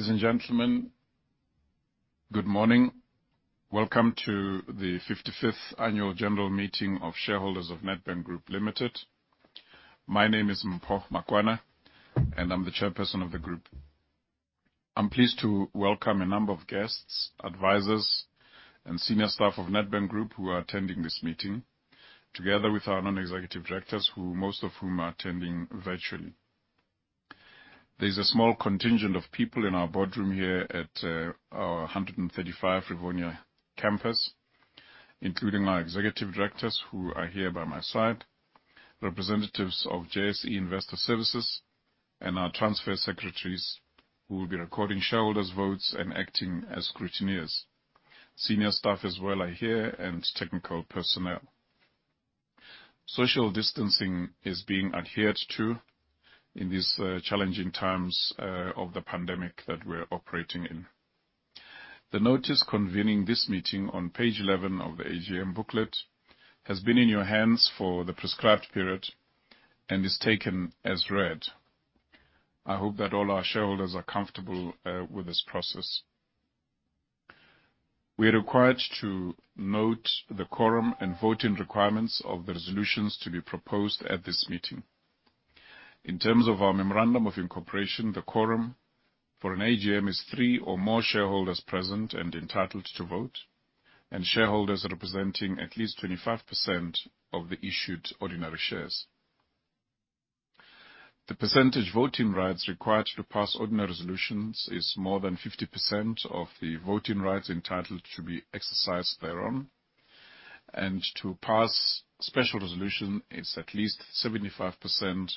Ladies and gentlemen, good morning. Welcome to the 55th annual general meeting of shareholders of Nedbank Group Limited. My name is Mpho Makwana, and I am the chairperson of the group. I am pleased to welcome a number of guests, advisors, and senior staff of Nedbank Group who are attending this meeting, together with our non-executive directors, most of whom are attending virtually. There is a small contingent of people in our boardroom here at our 135 Rivonia campus, including our executive directors who are here by my side, representatives of JSE Investor Services, and our transfer secretaries who will be recording shareholders' votes and acting as scrutineers. Senior staff as well are here, and technical personnel. Social distancing is being adhered to in these challenging times of the pandemic that we're operating in. The notice convening this meeting on page 11 of the AGM booklet has been in your hands for the prescribed period and is taken as read. I hope that all our shareholders are comfortable with this process. We are required to note the quorum and voting requirements of the resolutions to be proposed at this meeting. In terms of our memorandum of incorporation, the quorum for an AGM is three or more shareholders present and entitled to vote, and shareholders representing at least 25% of the issued ordinary shares. The percentage voting rights required to pass ordinary resolutions is more than 50% of the voting rights entitled to be exercised thereon. And to pass special resolution, it is at least 75%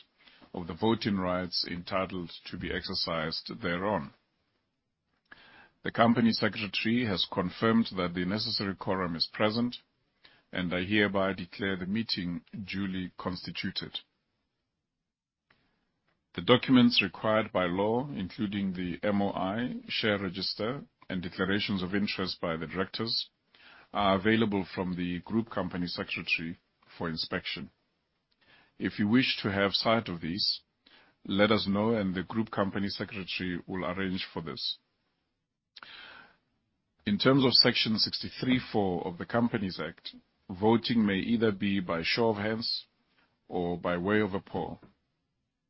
of the voting rights entitled to be exercised thereon. The company secretary has confirmed that the necessary quorum is present, and I hereby declare the meeting duly constituted. The documents required by law, including the MOI, share register, and declarations of interest by the directors, are available from the group company secretary for inspection. If you wish to have sight of these, let us know and the group company secretary will arrange for this. In terms of Section 63(4) of the Companies Act, voting may either be by show of hands or by way of a poll.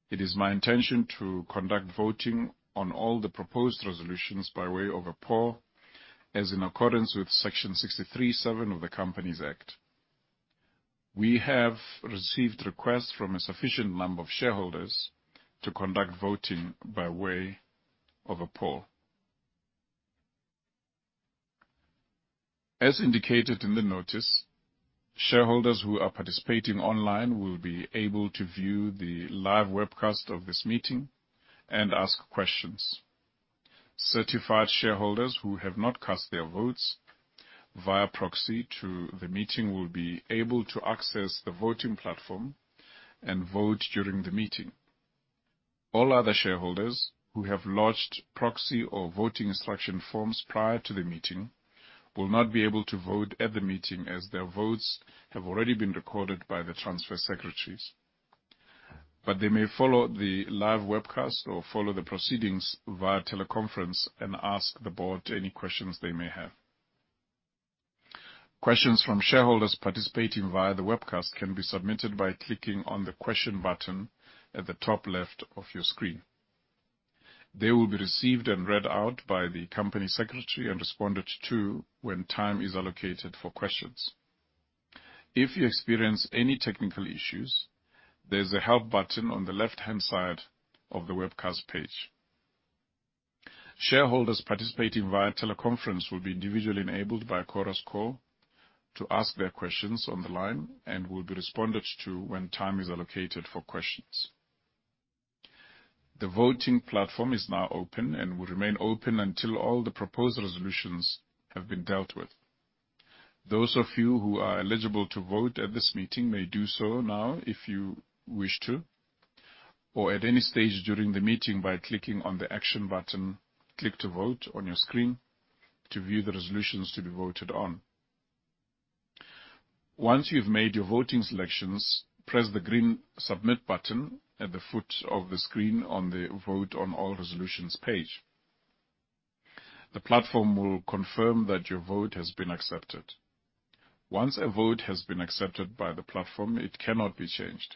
It is my intention to conduct voting on all the proposed resolutions by way of a poll, as in accordance with Section 63(7) of the Companies Act. We have received requests from a sufficient number of shareholders to conduct voting by way of a poll. As indicated in the notice, shareholders who are participating online will be able to view the live webcast of this meeting and ask questions. Certified shareholders who have not cast their votes via proxy to the meeting will be able to access the voting platform and vote during the meeting. All other shareholders who have lodged proxy or voting instruction forms prior to the meeting will not be able to vote at the meeting as their votes have already been recorded by the transfer secretaries. But they may follow the live webcast or follow the proceedings via teleconference and ask the board any questions they may have. Questions from shareholders participating via the webcast can be submitted by clicking on the question button at the top left of your screen. They will be received and read out by the company secretary and responded to when time is allocated for questions. If you experience any technical issues, there is a help button on the left-hand side of the webcast page. Shareholders participating via teleconference will be individually enabled by Chorus Call to ask their questions on the line and will be responded to when time is allocated for questions. The voting platform is now open and will remain open until all the proposed resolutions have been dealt with. Those of you who are eligible to vote at this meeting may do so now if you wish to or at any stage during the meeting by clicking on the action button, Click to Vote on your screen to view the resolutions to be voted on. Once you've made your voting selections, press the green Submit button at the foot of the screen on the Vote on All Resolutions page. The platform will confirm that your vote has been accepted. Once a vote has been accepted by the platform, it cannot be changed.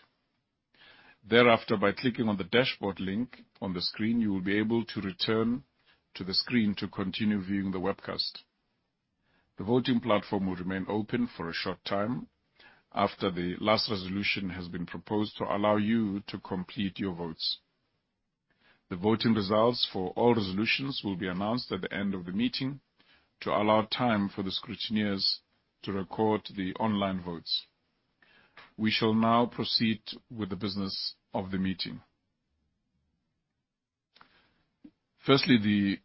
By clicking on the dashboard link on the screen, you will be able to return to the screen to continue viewing the webcast. The voting platform will remain open for a short time after the last resolution has been proposed to allow you to complete your votes. The voting results for all resolutions will be announced at the end of the meeting to allow time for the scrutineers to record the online votes. We shall now proceed with the business of the meeting. The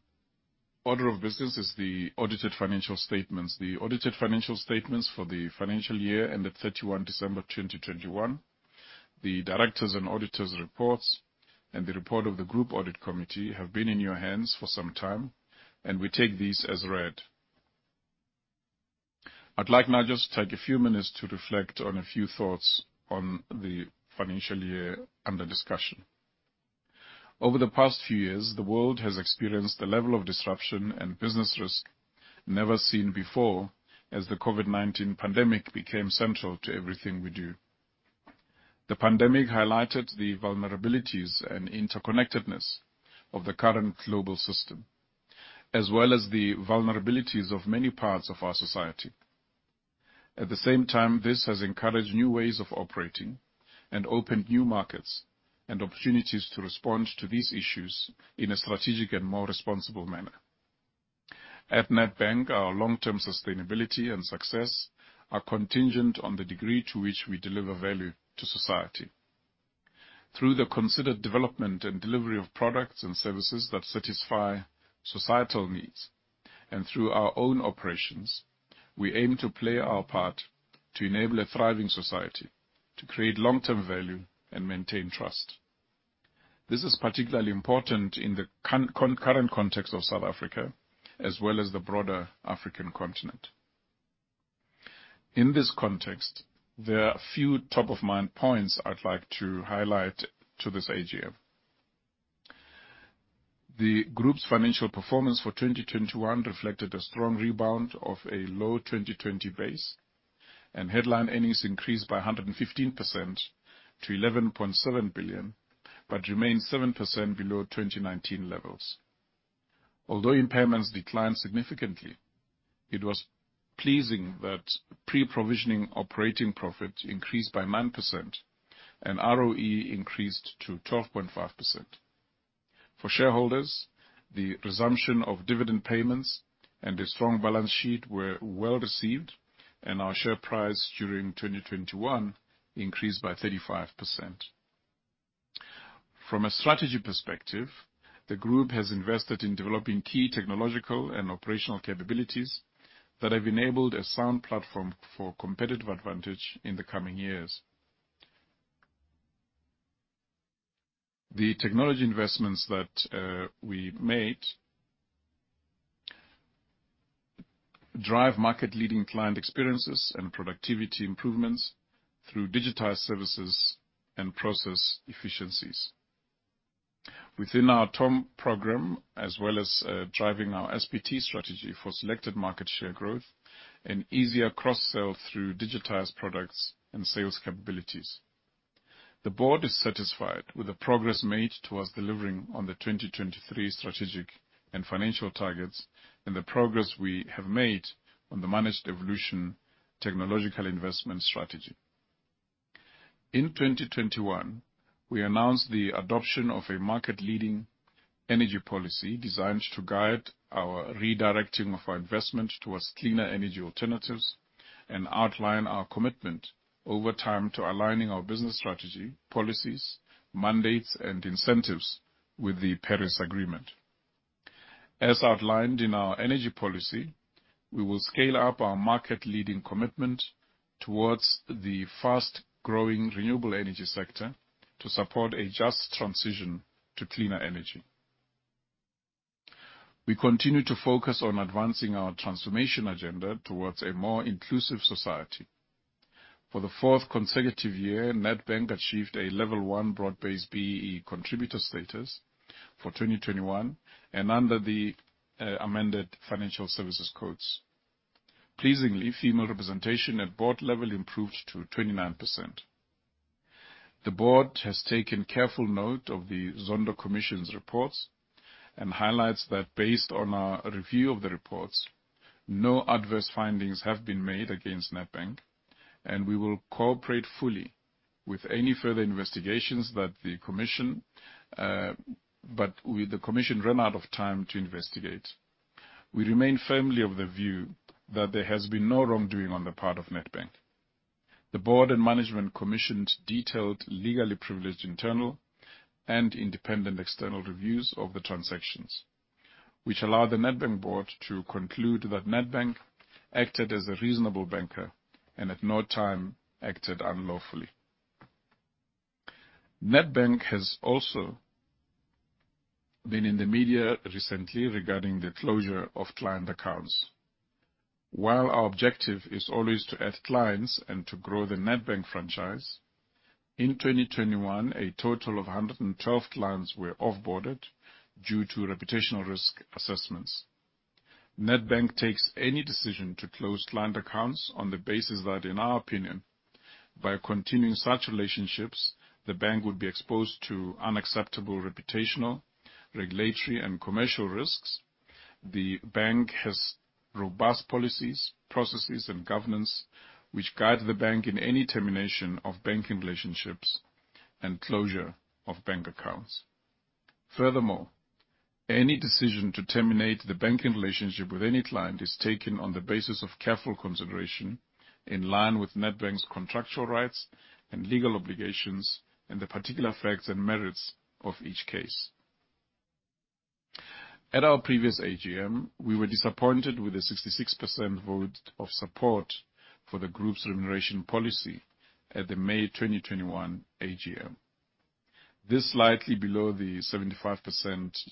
order of business is the audited financial statements. The audited financial statements for the financial year ended 31 December 2021. The directors' and auditors' reports and the report of the Group Audit Committee have been in your hands for some time, and we take these as read. I'd like now just to take a few minutes to reflect on a few thoughts on the financial year under discussion. Over the past few years, the world has experienced a level of disruption and business risk never seen before as the COVID-19 pandemic became central to everything we do. The pandemic highlighted the vulnerabilities and interconnectedness of the current global system, as well as the vulnerabilities of many parts of our society. At the same time, this has encouraged new ways of operating and opened new markets and opportunities to respond to these issues in a strategic and more responsible manner. At Nedbank, our long-term sustainability and success are contingent on the degree to which we deliver value to society. Through the considered development and delivery of products and services that satisfy societal needs, and through our own operations, we aim to play our part to enable a thriving society, to create long-term value and maintain trust. This is particularly important in the current context of South Africa as well as the broader African continent. In this context, there are a few top-of-mind points I'd like to highlight to this AGM. The group's financial performance for 2021 reflected a strong rebound of a low 2020 base, and headline earnings increased by 115% to 11.7 billion, but remained 7% below 2019 levels. Although impairments declined significantly, it was pleasing that pre-provisioning operating profit increased by 9% and ROE increased to 12.5%. For shareholders, the resumption of dividend payments and a strong balance sheet were well-received, and our share price during 2021 increased by 35%. Through the considered development and delivery of products through digitized services and process efficiencies. Within our TOM program, as well as driving our SPT strategy for selected market share growth and easier cross-sell through digitized products and sales capabilities. The board is satisfied with the progress made towards delivering on the 2023 strategic and financial targets, and the progress we have made on the Managed Evolution technological investment strategy. In 2021, we announced the adoption of a market-leading energy policy designed to guide our redirecting of our investment towards cleaner energy alternatives and outline our commitment over time to aligning our business strategy, policies, mandates, and incentives with the Paris Agreement. As outlined in our energy policy, we will scale up our market-leading commitment towards the fast-growing renewable energy sector to support a just transition to cleaner energy. We continue to focus on advancing our transformation agenda towards a more inclusive society. For the fourth consecutive year, Nedbank achieved a level 1 broad-based BEE contributor status for 2021 and under the amended Financial Sector Code. Pleasingly, female representation at board level improved to 29%. The board has taken careful note of the Zondo Commission's reports and highlights that based on our review of the reports, no adverse findings have been made against Nedbank, and we will cooperate fully with any further investigations but with the commission run out of time to investigate. We remain firmly of the view that there has been no wrongdoing on the part of Nedbank. The board and management commissioned detailed, legally privileged internal and independent external reviews of the transactions, which allow the Nedbank board to conclude that Nedbank acted as a reasonable banker and at no time acted unlawfully. Nedbank has also been in the media recently regarding the closure of client accounts. While our objective is always to add clients and to grow the Nedbank franchise, in 2021, a total of 112 clients were off-boarded due to reputational risk assessments. Nedbank takes any decision to close client accounts on the basis that, in our opinion, by continuing such relationships, the bank would be exposed to unacceptable reputational, regulatory, and commercial risks. The bank has robust policies, processes, and governance, which guide the bank in any termination of banking relationships and closure of bank accounts. Furthermore, any decision to terminate the banking relationship with any client is taken on the basis of careful consideration, in line with Nedbank's contractual rights and legal obligations and the particular facts and merits of each case. At our previous AGM, we were disappointed with the 66% vote of support for the group's remuneration policy at the May 2021 AGM. This slightly below the 75%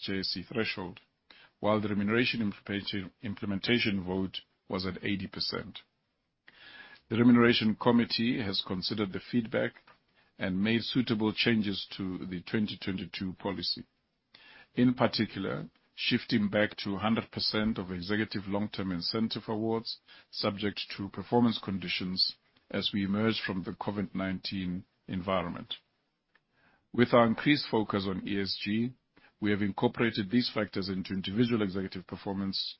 JSE threshold, while the remuneration implementation vote was at 80%. The Remuneration Committee has considered the feedback and made suitable changes to the 2022 policy. In particular, shifting back to 100% of executive long-term incentive awards subject to performance conditions as we emerge from the COVID-19 environment. With our increased focus on ESG, we have incorporated these factors into individual executive performance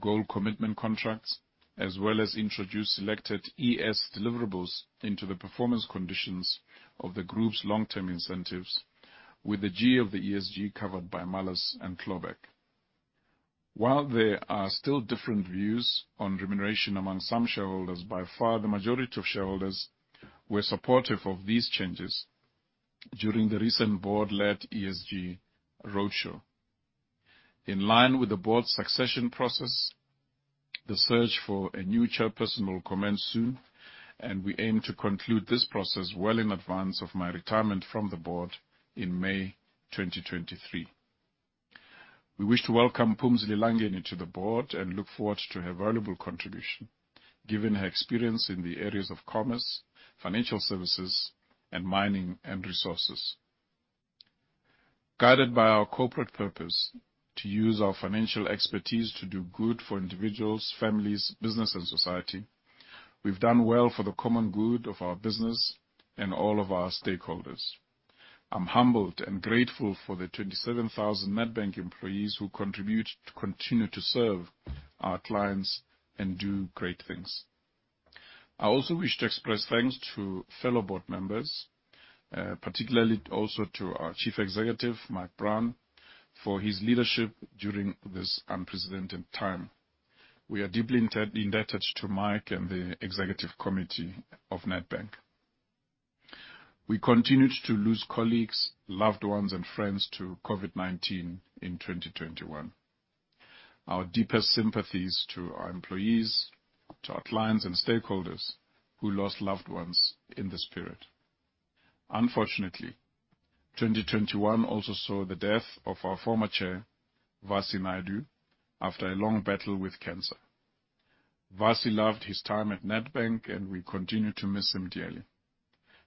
goal commitment contracts, as well as introduced selected ES deliverables into the performance conditions of the group's long-term incentives with the G of the ESG covered by Malus and Clawback. While there are still different views on remuneration among some shareholders, by far, the majority of shareholders were supportive of these changes during the recent board-led ESG roadshow. In line with the board's succession process, the search for a new chairperson will commence soon, and we aim to conclude this process well in advance of my retirement from the board in May 2023. We wish to welcome Phumzile Langeni to the board and look forward to her valuable contribution given her experience in the areas of commerce, financial services, and mining and resources. Guided by our corporate purpose to use our financial expertise to do good for individuals, families, business, and society, we've done well for the common good of our business and all of our stakeholders. I'm humbled and grateful for the 27,000 Nedbank employees who contribute to continue to serve our clients and do great things. I also wish to express thanks to fellow board members, particularly also to our Chief Executive, Mike Brown, for his leadership during this unprecedented time. We are deeply indebted to Mike and the executive committee of Nedbank. We continued to lose colleagues, loved ones, and friends to COVID-19 in 2021. Our deepest sympathies to our employees, to our clients and stakeholders who lost loved ones in this period. Unfortunately, 2021 also saw the death of our former chair, Vassi Naidoo, after a long battle with cancer. Vasi loved his time at Nedbank and we continue to miss him dearly.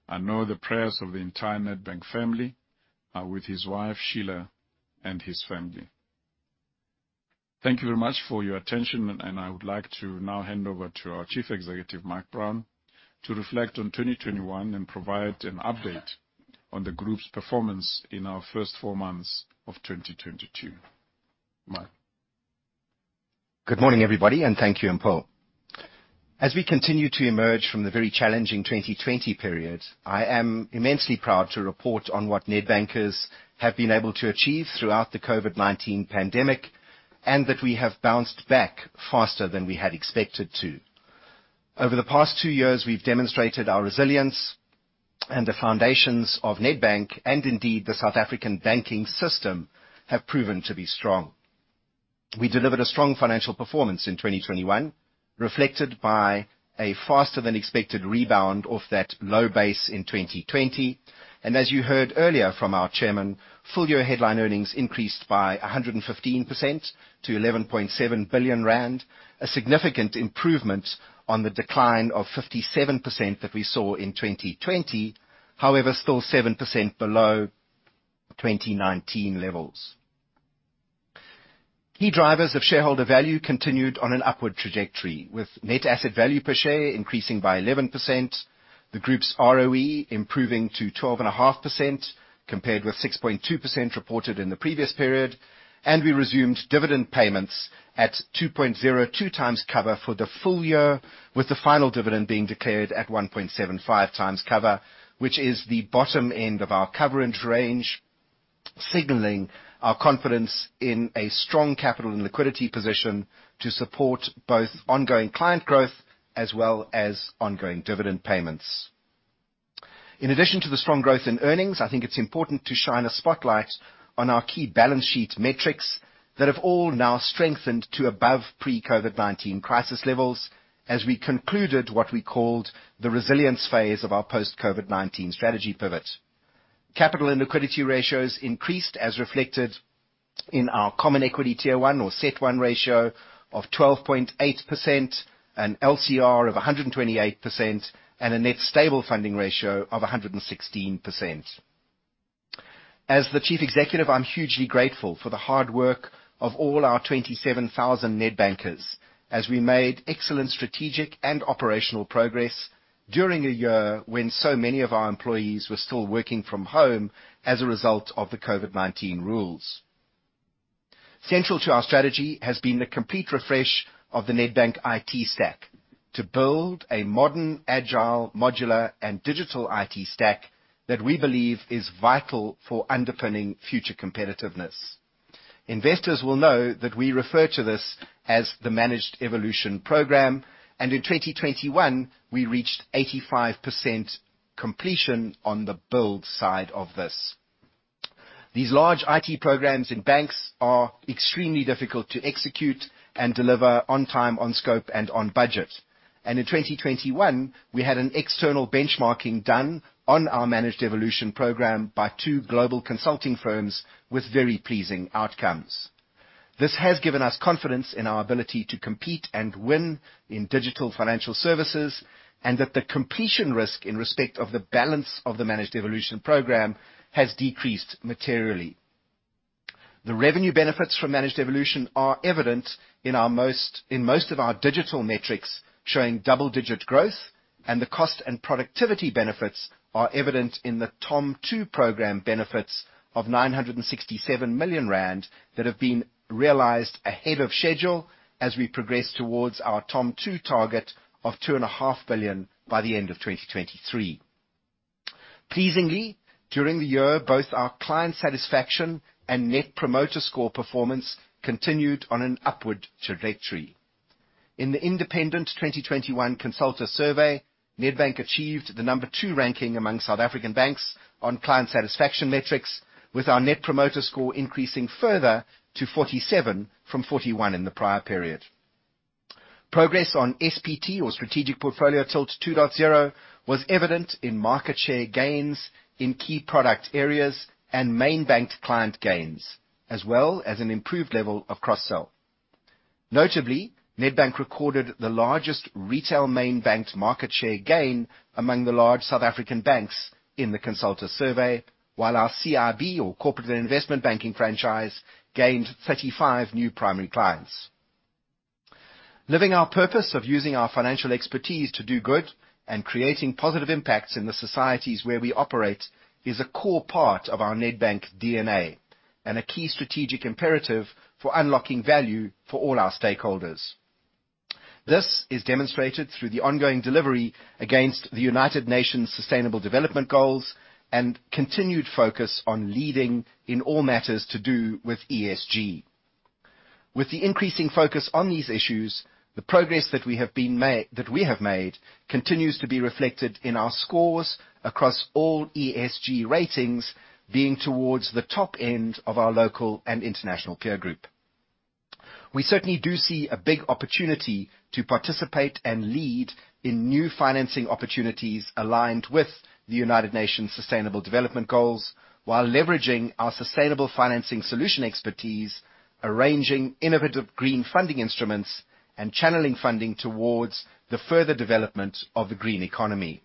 I know the prayers of the entire Nedbank family are with his wife, Sheila, and his family. Thank you very much for your attention. I would like to now hand over to our Chief Executive, Mike Brown, to reflect on 2021 and provide an update on the group's performance in our first four months of 2022. Mike. Good morning, everybody, and thank you, Mpho. As we continue to emerge from the very challenging 2020 period, I am immensely proud to report on what Nedbankers have been able to achieve throughout the COVID-19 pandemic, and that we have bounced back faster than we had expected to. Over the past two years, we've demonstrated our resilience and the foundations of Nedbank, and indeed, the South African banking system have proven to be strong. We delivered a strong financial performance in 2021, reflected by a faster than expected rebound off that low base in 2020. As you heard earlier from our chairman, full-year headline earnings increased by 115% to 11.7 billion rand, a significant improvement on the decline of 57% that we saw in 2020. However, still 7% below 2019 levels. Key drivers of shareholder value continued on an upward trajectory, with net asset value per share increasing by 11%, the group's ROE improving to 12.5% compared with 6.2% reported in the previous period. We resumed dividend payments at 2.02 times cover for the full year, with the final dividend being declared at 1.75 times cover, which is the bottom end of our coverage range, signaling our confidence in a strong capital and liquidity position to support both ongoing client growth as well as ongoing dividend payments. In addition to the strong growth in earnings, I think it's important to shine a spotlight on our key balance sheet metrics that have all now strengthened to above pre-COVID-19 crisis levels as we concluded what we called the resilience phase of our post-COVID-19 strategy pivot. Capital and liquidity ratios increased as reflected in our common equity tier 1 or CET1 ratio of 12.8%, an LCR of 128%, and a Net Stable Funding Ratio of 116%. As the Chief Executive, I'm hugely grateful for the hard work of all our 27,000 Nedbankers as we made excellent strategic and operational progress during a year when so many of our employees were still working from home as a result of the COVID-19 rules. Central to our strategy has been the complete refresh of the Nedbank IT stack to build a modern, agile, modular, and digital IT stack that we believe is vital for underpinning future competitiveness. Investors will know that we refer to this as the Managed Evolution program, and in 2021, we reached 85% completion on the build side of this. These large IT programs in banks are extremely difficult to execute and deliver on time, on scope, and on budget. In 2021, we had an external benchmarking done on our Managed Evolution program by two global consulting firms with very pleasing outcomes. This has given us confidence in our ability to compete and win in digital financial services, and that the completion risk in respect of the balance of the Managed Evolution program has decreased materially. The revenue benefits from Managed Evolution are evident in most of our digital metrics, showing double-digit growth, and the cost and productivity benefits are evident in the TOM 2 program benefits of 967 million rand that have been realized ahead of schedule as we progress towards our TOM 2 target of 2.5 billion by the end of 2023. Pleasingly, during the year, both our client satisfaction and Net Promoter Score performance continued on an upward trajectory. In the independent 2021 Consulta survey, Nedbank achieved the number 2 ranking among South African banks on client satisfaction metrics, with our Net Promoter Score increasing further to 47 from 41 in the prior period. Progress on SPT or Strategic Portfolio Tilt 2.0 was evident in market share gains in key product areas and main banked client gains, as well as an improved level of cross-sell. Notably, Nedbank recorded the largest retail main banked market share gain among the large South African banks in the Consulta survey, while our CIB or Corporate and Investment Banking franchise gained 35 new primary clients. Living our purpose of using our financial expertise to do good and creating positive impacts in the societies where we operate is a core part of our Nedbank DNA and a key strategic imperative for unlocking value for all our stakeholders. This is demonstrated through the ongoing delivery against the United Nations Sustainable Development Goals and continued focus on leading in all matters to do with ESG. With the increasing focus on these issues, the progress that we have made continues to be reflected in our scores across all ESG ratings being towards the top end of our local and international peer group. We certainly do see a big opportunity to participate and lead in new financing opportunities aligned with the United Nations Sustainable Development Goals while leveraging our sustainable financing solution expertise, arranging innovative green funding instruments, and channeling funding towards the further development of the green economy.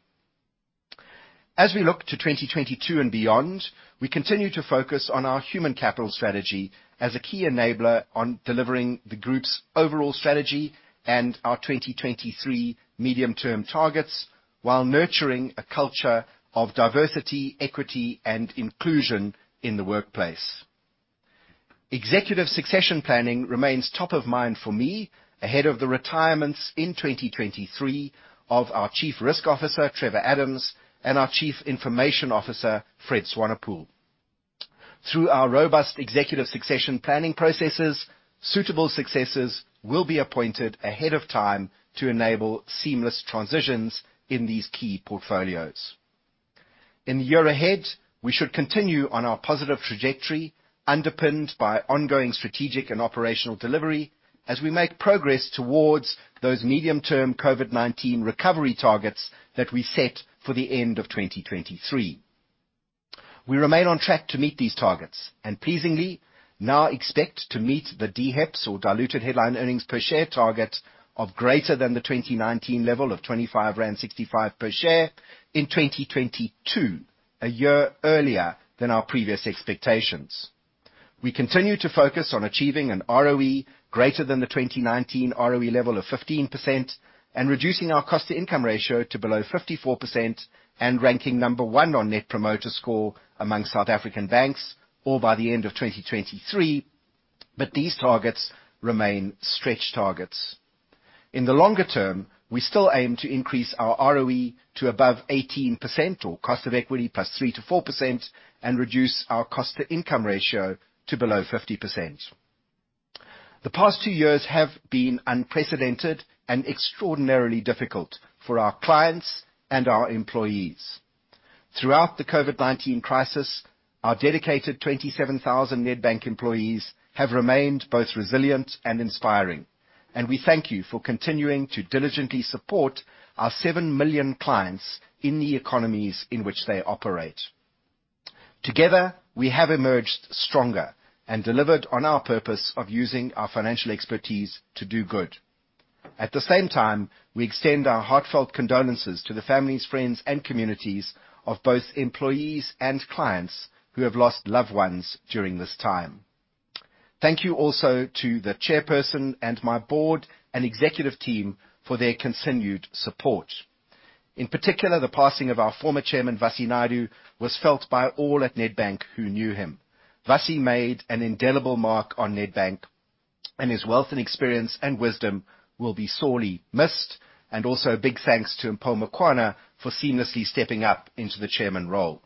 As we look to 2022 and beyond, we continue to focus on our human capital strategy as a key enabler on delivering the group's overall strategy and our 2023 medium-term targets while nurturing a culture of diversity, equity, and inclusion in the workplace. Executive succession planning remains top of mind for me ahead of the retirements in 2023 of our Chief Risk Officer, Trevor Adams, and our Chief Information Officer, Fred Swanepoel. Through our robust executive succession planning processes, suitable successors will be appointed ahead of time to enable seamless transitions in these key portfolios. In the year ahead, we should continue on our positive trajectory, underpinned by ongoing strategic and operational delivery as we make progress towards those medium-term COVID-19 recovery targets that we set for the end of 2023. We remain on track to meet these targets and pleasingly now expect to meet the DHEPS or diluted headline earnings per share target of greater than the 2019 level of 25.65 rand per share in 2022, a year earlier than our previous expectations. We continue to focus on achieving an ROE greater than the 2019 ROE level of 15% and reducing our cost-to-income ratio to below 54% and ranking number 1 on Net Promoter Score among South African banks all by the end of 2023, but these targets remain stretch targets. In the longer term, we still aim to increase our ROE to above 18% or cost of equity plus 3%-4% and reduce our cost-to-income ratio to below 50%. The past two years have been unprecedented and extraordinarily difficult for our clients and our employees. Throughout the COVID-19 crisis, our dedicated 27,000 Nedbank employees have remained both resilient and inspiring, and we thank you for continuing to diligently support our 7 million clients in the economies in which they operate. Together, we have emerged stronger and delivered on our purpose of using our financial expertise to do good. At the same time, we extend our heartfelt condolences to the families, friends, and communities of both employees and clients who have lost loved ones during this time. Thank you also to the Chairperson and my board and executive team for their continued support. In particular, the passing of our former Chairman, Vassi Naidoo, was felt by all at Nedbank who knew him. Vassi made an indelible mark on Nedbank, and his wealth and experience and wisdom will be sorely missed. Also a big thanks to Mpho Makwana for seamlessly stepping up into the Chairperson role.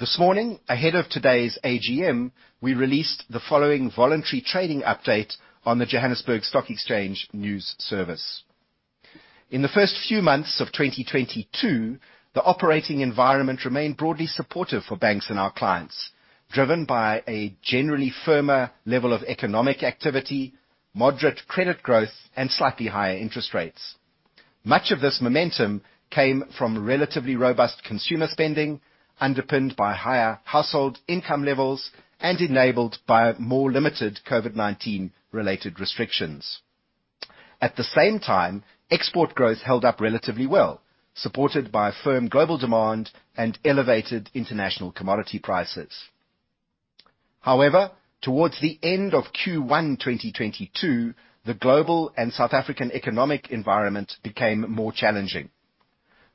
This morning, ahead of today's AGM, we released the following voluntary trading update on the Johannesburg Stock Exchange News Service. In the first few months of 2022, the operating environment remained broadly supportive for banks and our clients, driven by a generally firmer level of economic activity, moderate credit growth, and slightly higher interest rates. Much of this momentum came from relatively robust consumer spending, underpinned by higher household income levels and enabled by more limited COVID-19 related restrictions. At the same time, export growth held up relatively well, supported by firm global demand and elevated international commodity prices. However, towards the end of Q1 2022, the global and South African economic environment became more challenging.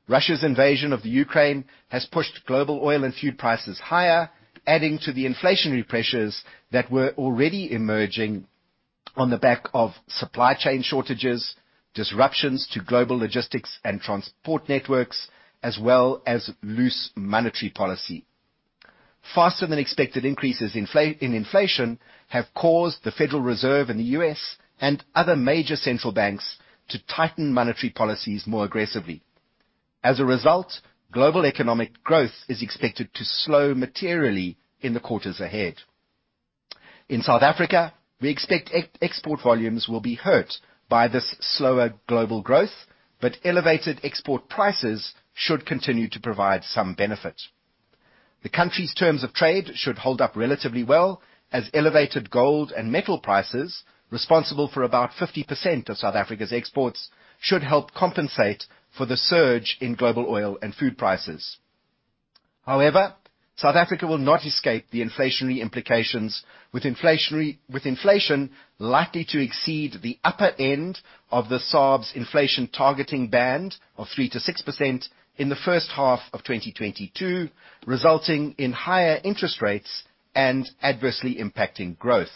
Russia's invasion of Ukraine has pushed global oil and food prices higher, adding to the inflationary pressures that were already emerging on the back of supply chain shortages, disruptions to global logistics and transport networks, as well as loose monetary policy. Faster than expected increases in inflation have caused the Federal Reserve in the U.S. and other major central banks to tighten monetary policies more aggressively. As a result, global economic growth is expected to slow materially in the quarters ahead. In South Africa, we expect export volumes will be hurt by this slower global growth, but elevated export prices should continue to provide some benefit. The country's terms of trade should hold up relatively well, as elevated gold and metal prices, responsible for about 50% of South Africa's exports, should help compensate for the surge in global oil and food prices. South Africa will not escape the inflationary implications with inflation likely to exceed the upper end of the SARB's inflation targeting band of 3%-6% in the first half of 2022, resulting in higher interest rates and adversely impacting growth.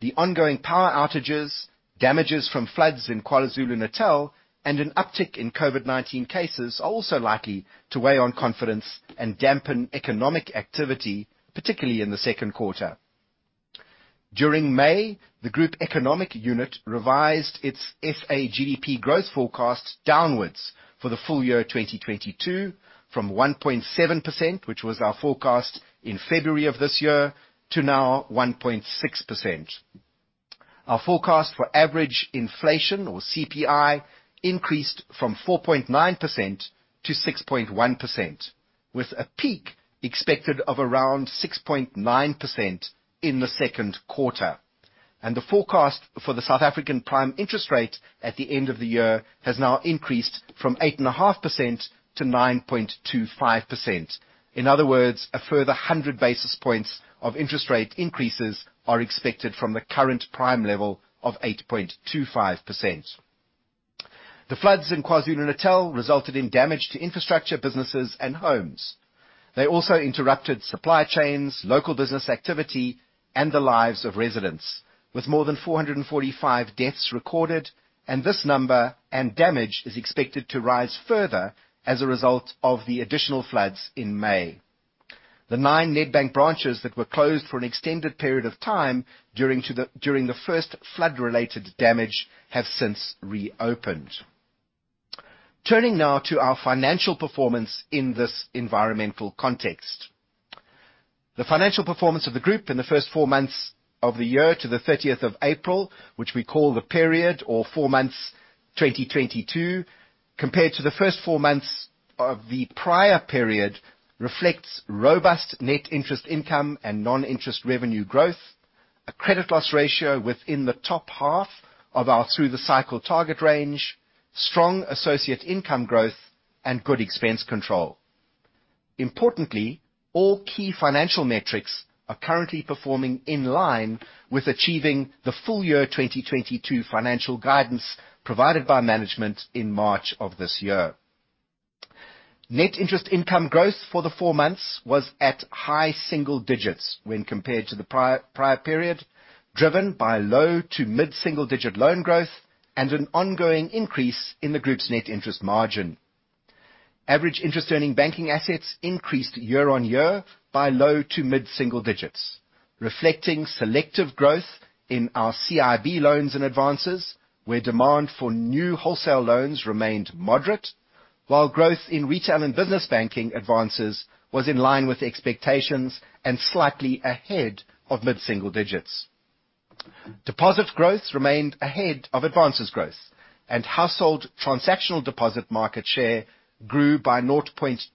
The ongoing power outages, damages from floods in KwaZulu-Natal, and an uptick in COVID-19 cases are also likely to weigh on confidence and dampen economic activity, particularly in the second quarter. During May, the group economic unit revised its SA GDP growth forecast downwards for the full year 2022 from 1.7%, which was our forecast in February of this year, to now 1.6%. Our forecast for average inflation or CPI increased from 4.9% to 6.1%, with a peak expected of around 6.9% in the second quarter. The forecast for the South African prime interest rate at the end of the year has now increased from 8.5% to 9.25%. In other words, a further 100 basis points of interest rate increases are expected from the current prime level of 8.25%. The floods in KwaZulu-Natal resulted in damage to infrastructure, businesses, and homes. They also interrupted supply chains, local business activity, and the lives of residents, with more than 445 deaths recorded, and this number and damage is expected to rise further as a result of the additional floods in May. The nine Nedbank branches that were closed for an extended period of time during the first flood related damage have since reopened. Turning now to our financial performance in this environmental context. The financial performance of the group in the first four months of the year to the 30th of April, which we call the period or four months 2022, compared to the first four months of the prior period, reflects robust net interest income and non-interest revenue growth, a credit loss ratio within the top half of our through the cycle target range, strong associate income growth, and good expense control. Importantly, all key financial metrics are currently performing in line with achieving the full year 2022 financial guidance provided by management in March of this year. Net interest income growth for the four months was at high single digits when compared to the prior period, driven by low to mid-single digit loan growth and an ongoing increase in the group's net interest margin. Average interest earning banking assets increased year-on-year by low to mid-single digits, reflecting selective growth in our CIB loans and advances, where demand for new wholesale loans remained moderate, while growth in retail and business banking advances was in line with expectations and slightly ahead of mid-single digits. Deposit growth remained ahead of advances growth, and household transactional deposit market share grew by 0.2%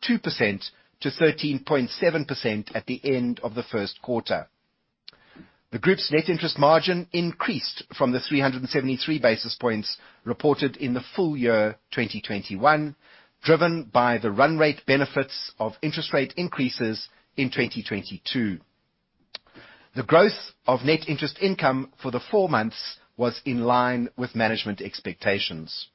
to 13.7% at the end of the first quarter. The group's net interest margin increased from the 373 basis points reported in the full year 2021, driven by the run rate benefits of interest rate increases in 2022. The growth of net interest income for the four months was in line with management expectations.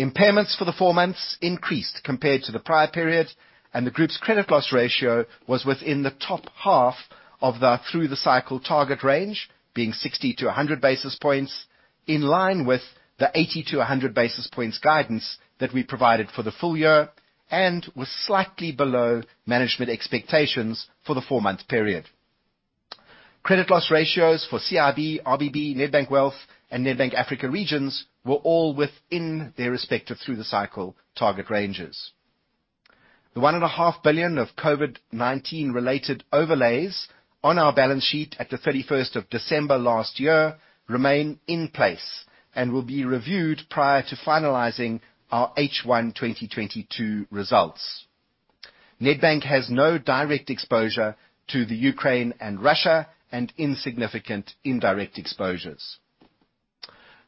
Impairments for the four months increased compared to the prior period, and the group's credit loss ratio was within the top half of the through the cycle target range, being 60-100 basis points, in line with the 80-100 basis points guidance that we provided for the full year and was slightly below management expectations for the four-month period. Credit loss ratios for CIB, RBB, Nedbank Wealth, and Nedbank Africa Regions were all within their respective through-the-cycle target ranges. The 1.5 billion of COVID-19 related overlays on our balance sheet at the 31st of December last year remain in place and will be reviewed prior to finalizing our H1 2022 results. Nedbank has no direct exposure to the Ukraine and Russia and insignificant indirect exposures.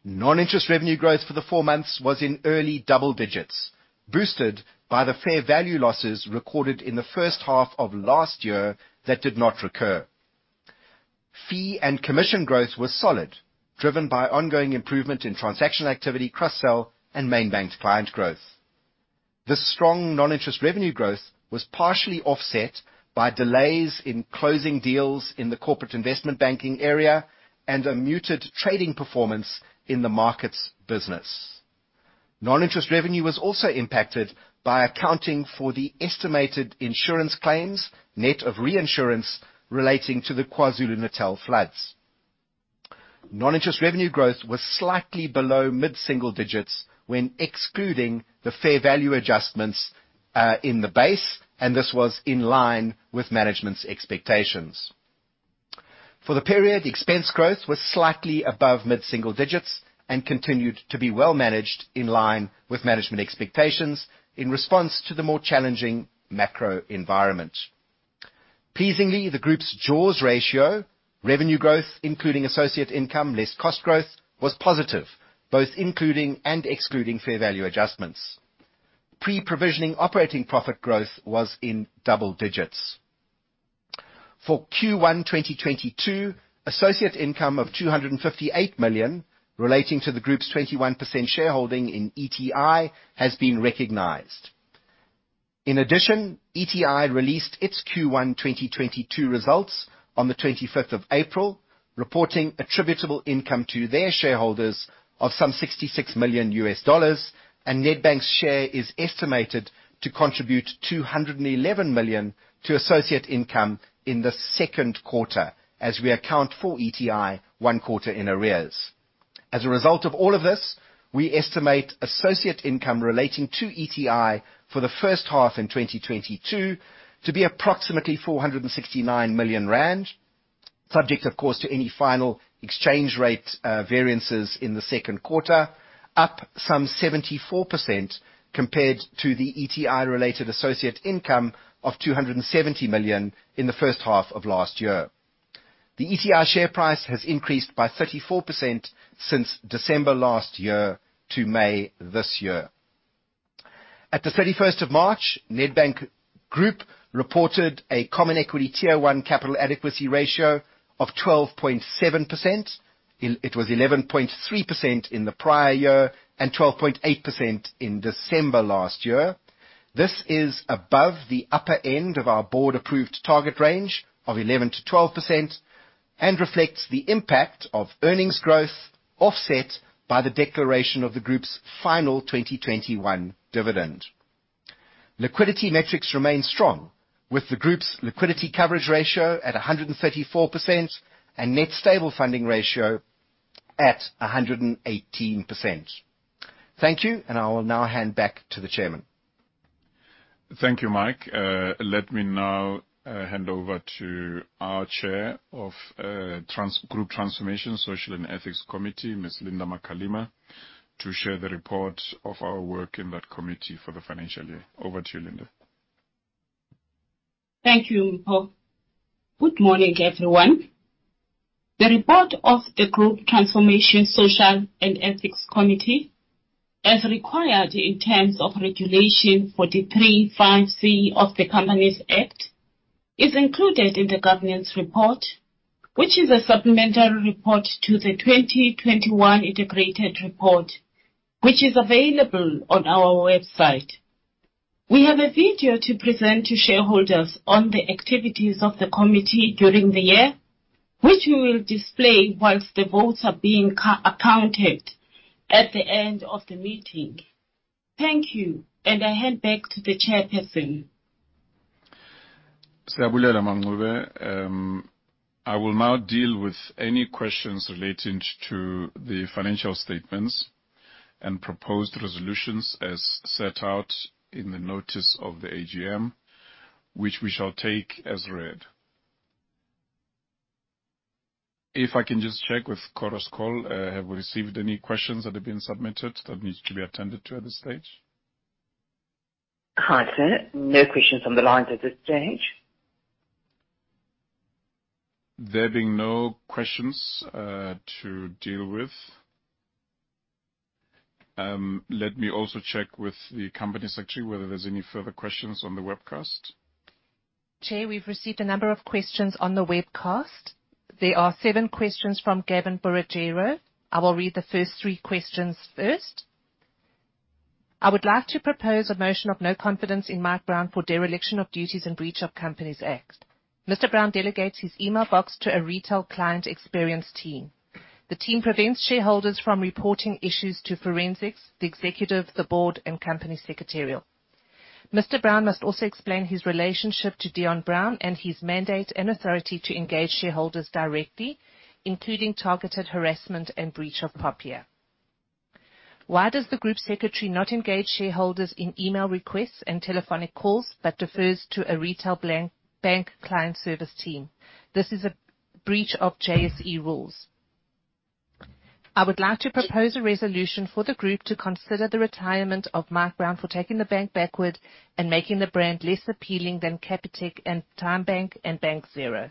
Non-interest revenue growth for the four months was in early double digits, boosted by the fair value losses recorded in the first half of last year that did not recur. Fee and commission growth was solid, driven by ongoing improvement in transactional activity, cross-sell, and main bank client growth. This strong non-interest revenue growth was partially offset by delays in closing deals in the corporate investment banking area and a muted trading performance in the markets business. Non-interest revenue was also impacted by accounting for the estimated insurance claims, net of reinsurance, relating to the KwaZulu-Natal floods. Non-interest revenue growth was slightly below mid-single digits when excluding the fair value adjustments in the base, and this was in line with management's expectations. For the period, expense growth was slightly above mid-single digits and continued to be well managed in line with management expectations in response to the more challenging macro environment. Pleasingly, the group's Jaws ratio, revenue growth, including associate income less cost growth, was positive, both including and excluding fair value adjustments. Pre-provisioning operating profit growth was in double digits. For Q1 2022, associate income of 258 million relating to the group's 21% shareholding in ETI has been recognized. In addition, ETI released its Q1 2022 results on the 25th of April, reporting attributable income to their shareholders of some $66 million, and Nedbank's share is estimated to contribute 211 million to associate income in the second quarter as we account for ETI one quarter in arrears. As a result of all of this, we estimate associate income relating to ETI for the first half in 2022 to be approximately 469 million rand, subject, of course, to any final exchange rate variances in the second quarter, up some 74% compared to the ETI-related associate income of 270 million in the first half of last year. The ETI share price has increased by 34% since December last year to May this year. At the 31st of March, Nedbank Group reported a common equity Tier 1 capital adequacy ratio of 12.7%. It was 11.3% in the prior year and 12.8% in December last year. This is above the upper end of our board-approved target range of 11%-12% and reflects the impact of earnings growth offset by the declaration of the group's final 2021 dividend. Liquidity metrics remain strong, with the group's liquidity coverage ratio at 134% and Net Stable Funding Ratio at 118%. Thank you. I will now hand back to the chairman. Thank you, Mike. I will now hand over to our chair of Group Transformation, Social and Ethics Committee, Ms. Linda Makalima, to share the report of our work in that committee for the financial year. Over to you, Linda. Thank you, Mpho. Good morning, everyone. The report of the Group Transformation, Social and Ethics Committee, as required in terms of Regulation 43 [5] [C] of the Companies Act, is included in the governance report, which is a supplementary report to the 2021 integrated report, which is available on our website. We have a video to present to shareholders on the activities of the committee during the year, which we will display while the votes are being accounted at the end of the meeting. Thank you, and I hand back to the Chairperson. Siyabulela Mangcojola. I will now deal with any questions relating to the financial statements and proposed resolutions as set out in the notice of the AGM, which we shall take as read. If I can just check with Chorus Call, have we received any questions that have been submitted that needs to be attended to at this stage? Hi, sir. No questions on the line at this stage. There being no questions to deal with, let me also check with the Company Secretary whether there's any further questions on the webcast. Jay, we've received a number of questions on the webcast. There are seven questions from Gavin Barecchio. I will read the first three questions first. "I would like to propose a motion of no confidence in Mike Brown for dereliction of duties in breach of Companies Act. Mr. Brown delegates his email box to a retail client experience team. The team prevents shareholders from reporting issues to forensics, the executive, the board, and company secretarial. Mr. Brown must also explain his relationship to Dion Brown and his mandate and authority to engage shareholders directly, including targeted harassment and breach of POPIA. Why does the group secretary not engage shareholders in email requests and telephonic calls, but defers to a retail bank client service team? This is a breach of JSE rules. I would like to propose a resolution for the group to consider the retirement of Mike Brown for taking the bank backward and making the brand less appealing than Capitec and TymeBank and Bank Zero.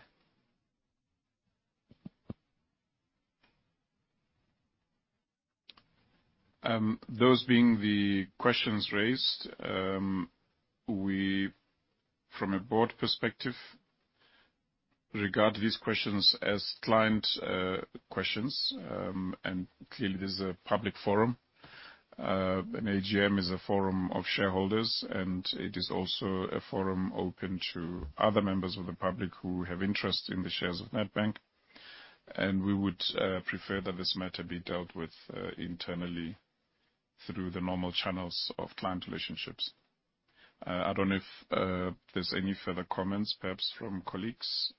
Those being the questions raised, from a board perspective, regard these questions as client questions. Clearly, this is a public forum. An AGM is a forum of shareholders, and it is also a forum open to other members of the public who have interest in the shares of Nedbank. We would prefer that this matter be dealt with internally through the normal channels of client relationships. I don't know if there's any further comments, perhaps from colleagues.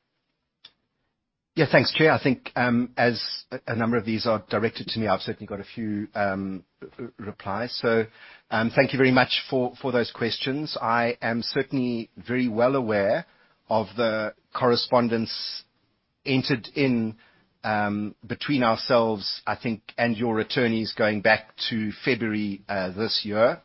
Yeah. Thanks, Chair. I think, as a number of these are directed to me, I've certainly got a few replies. Thank you very much for those questions. I am certainly very well aware of the correspondence entered in between ourselves, I think, and your attorneys going back to February this year.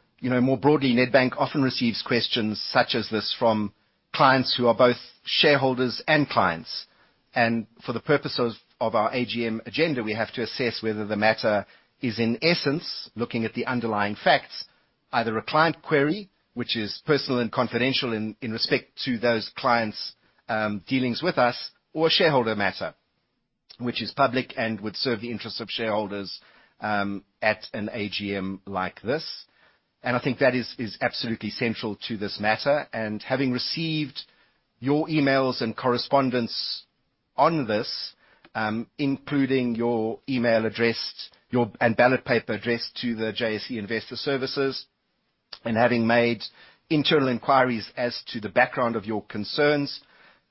More broadly, Nedbank often receives questions such as this from clients who are both shareholders and clients. For the purpose of our AGM agenda, we have to assess whether the matter is, in essence, looking at the underlying facts, either a client query, which is personal and confidential in respect to those clients' dealings with us, or a shareholder matter, which is public and would serve the interest of shareholders at an AGM like this. I think that is absolutely central to this matter. Having received your emails and correspondence on this, including your email address and ballot paper addressed to the JSE Investor Services, having made internal inquiries as to the background of your concerns,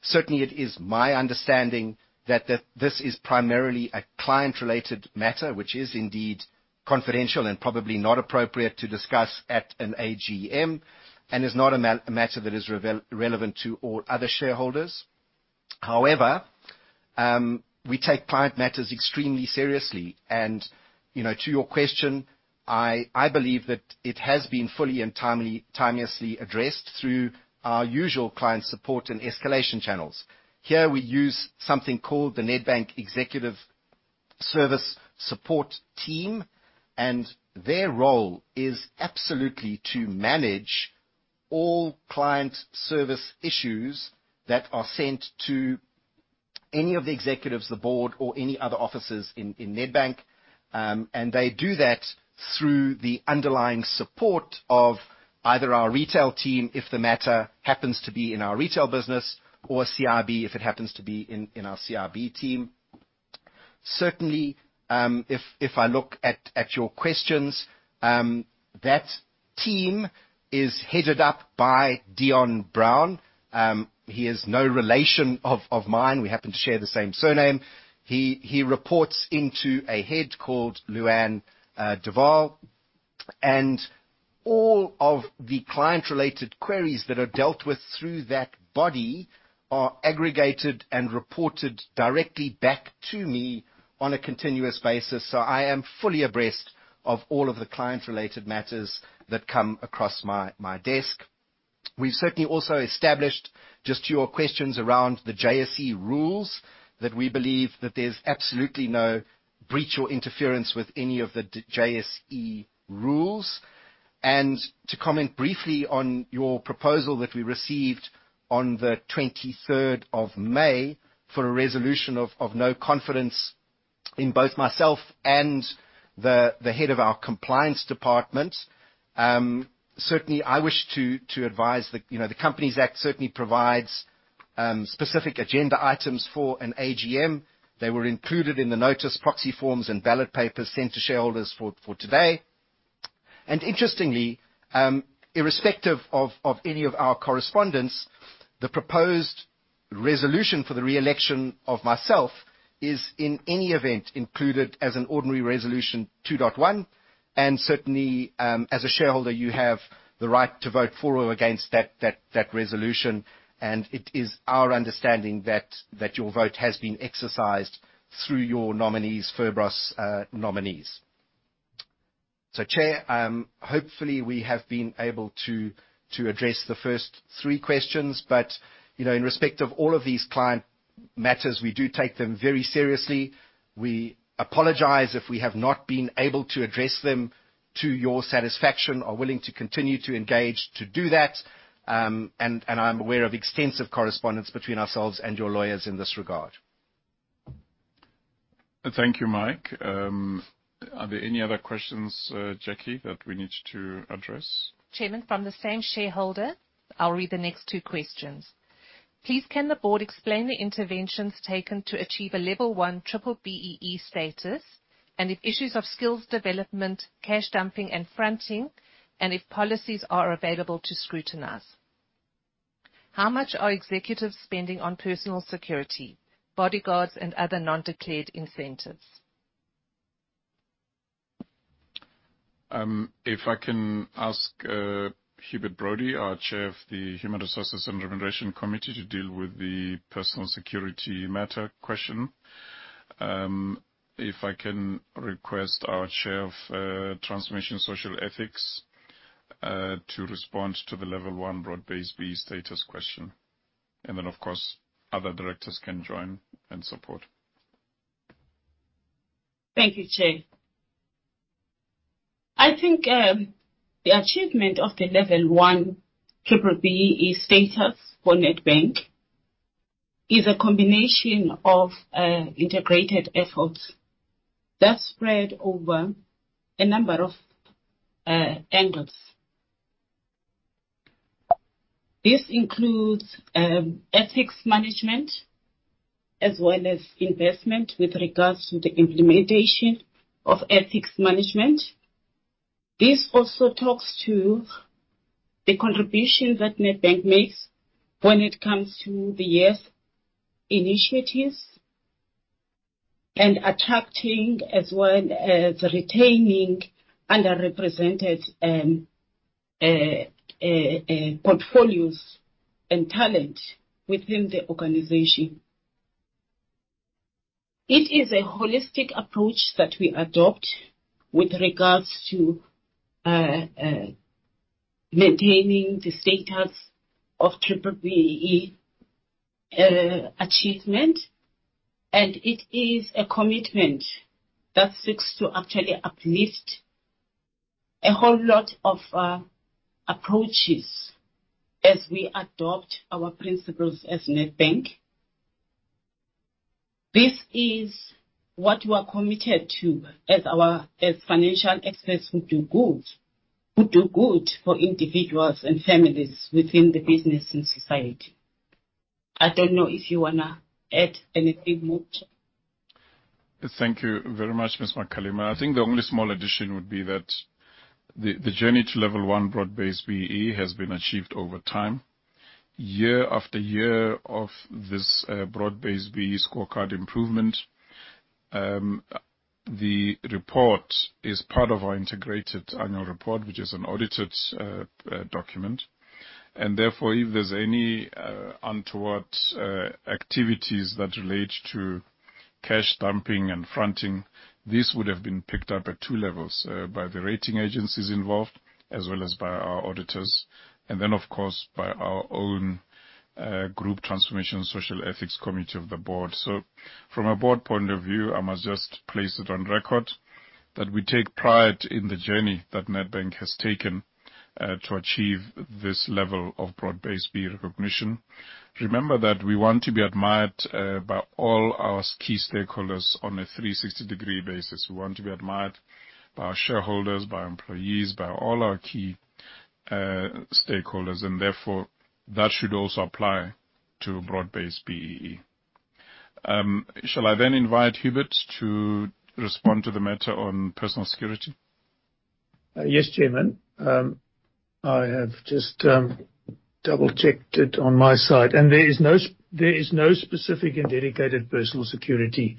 certainly it is my understanding that this is primarily a client-related matter, which is indeed confidential and probably not appropriate to discuss at an AGM and is not a matter that is relevant to all other shareholders. However, we take client matters extremely seriously. To your question, I believe that it has been fully and timeously addressed through our usual client support and escalation channels. Here we use something called the Nedbank Executive Service Support Team, their role is absolutely to manage all client service issues that are sent to any of the executives, the board, or any other offices in Nedbank. They do that through the underlying support of either our retail team, if the matter happens to be in our retail business or CIB, if it happens to be in our CIB team. Certainly, if I look at your questions, that team is headed up by Dion Brown. He is no relation of mine. We happen to share the same surname. He reports into a head called Luann Duval. All of the client-related queries that are dealt with through that body are aggregated and reported directly back to me on a continuous basis. I am fully abreast of all of the client-related matters that come across my desk. We've certainly also established, just to your questions around the JSE rules, that we believe that there's absolutely no breach or interference with any of the JSE rules. To comment briefly on your proposal that we received on the 23rd of May for a resolution of no confidence in both myself and the head of our compliance department. Certainly, I wish to advise that the Companies Act certainly provides specific agenda items for an AGM. They were included in the notice proxy forms and ballot papers sent to shareholders for today. Interestingly, irrespective of any of our correspondence, the proposed resolution for the re-election of myself is, in any event, included as an ordinary resolution 2.1. Certainly, as a shareholder, you have the right to vote for or against that resolution. It is our understanding that your vote has been exercised through your nominees, Feurboss nominees. Chair, hopefully, we have been able to address the first three questions. In respect of all of these client matters, we do take them very seriously. We apologize if we have not been able to address them to your satisfaction. We are willing to continue to engage to do that. I'm aware of extensive correspondence between ourselves and your lawyers in this regard. Thank you, Mike. Are there any other questions, Jackie, that we need to address? Chairman, from the same shareholder I'll read the next two questions. Please, can the board explain the interventions taken to achieve a level 1 triple BEE status, and if issues of skills development, cash dumping, and fronting, and if policies are available to scrutinize? How much are executives spending on personal security, bodyguards, and other non-declared incentives? If I can ask Hubert Brody, our Chair of the Human Resources and Remuneration Committee, to deal with the personal security matter question. If I can request our Chair of Transformation Social Ethics to respond to the level 1 broad-based BEE status question. Then, of course, other directors can join and support. Thank you, Chair. I think the achievement of the level 1 triple BEE status for Nedbank is a combination of integrated efforts that spread over a number of angles. This includes ethics management as well as investment with regards to the implementation of ethics management. This also talks to the contribution that Nedbank makes when it comes to the ESG initiatives and attracting as well as retaining underrepresented portfolios and talent within the organization. It is a holistic approach that we adopt with regards to maintaining the status of triple BEE achievement, and it is a commitment that seeks to actually uplift a whole lot of approaches as we adopt our principles as Nedbank. This is what we are committed to as financial experts who do good for individuals and families within the business and society. I don't know if you want to add anything, Mo. Thank you very much, Ms. Makalima. I think the only small addition would be that the journey to level 1 broad-based BEE has been achieved over time. Year after year of this broad-based BEE scorecard improvement. The report is part of our integrated annual report, which is an audited document. Therefore, if there's any untoward activities that relate to cash dumping and fronting, this would have been picked up at two levels, by the rating agencies involved, as well as by our auditors, and then, of course, by our own Group Transformation, Social and Ethics Committee of the board. From a board point of view, I must just place it on record that we take pride in the journey that Nedbank has taken to achieve this level of broad-based BEE recognition. Remember that we want to be admired by all our key stakeholders on a 360-degree basis. We want to be admired by our shareholders, by our employees, by all our key stakeholders. Therefore, that should also apply to broad-based BEE. Shall I then invite Hubert to respond to the matter on personal security? Yes, Chairman. I have just double-checked it on my side. There is no specific and dedicated personal security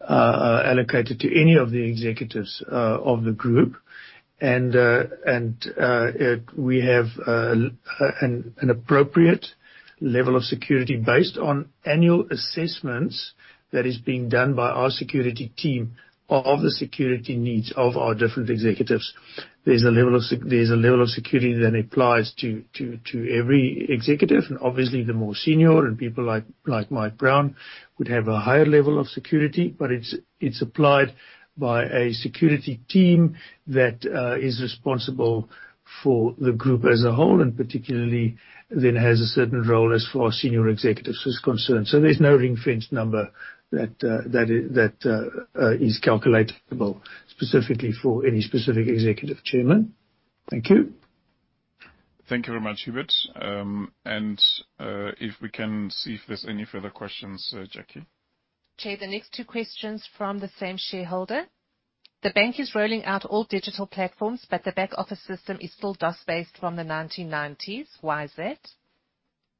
allocated to any of the executives of the group. We have an appropriate level of security based on annual assessments that is being done by our security team of the security needs of our different executives. There's a level of security that applies to every executive. Obviously, the more senior and people like Mike Brown would have a higher level of security, but it's applied by a security team that is responsible for the group as a whole, and particularly then has a certain role as far as senior executives is concerned. There's no ring-fenced number that is calculable specifically for any specific executive, Chairman. Thank you. Thank you very much, Hubert. If we can see if there's any further questions, Jackie. Chair, the next two questions from the same shareholder. The bank is rolling out all digital platforms, but the back office system is still DOS-based from the 1990s. Why is that?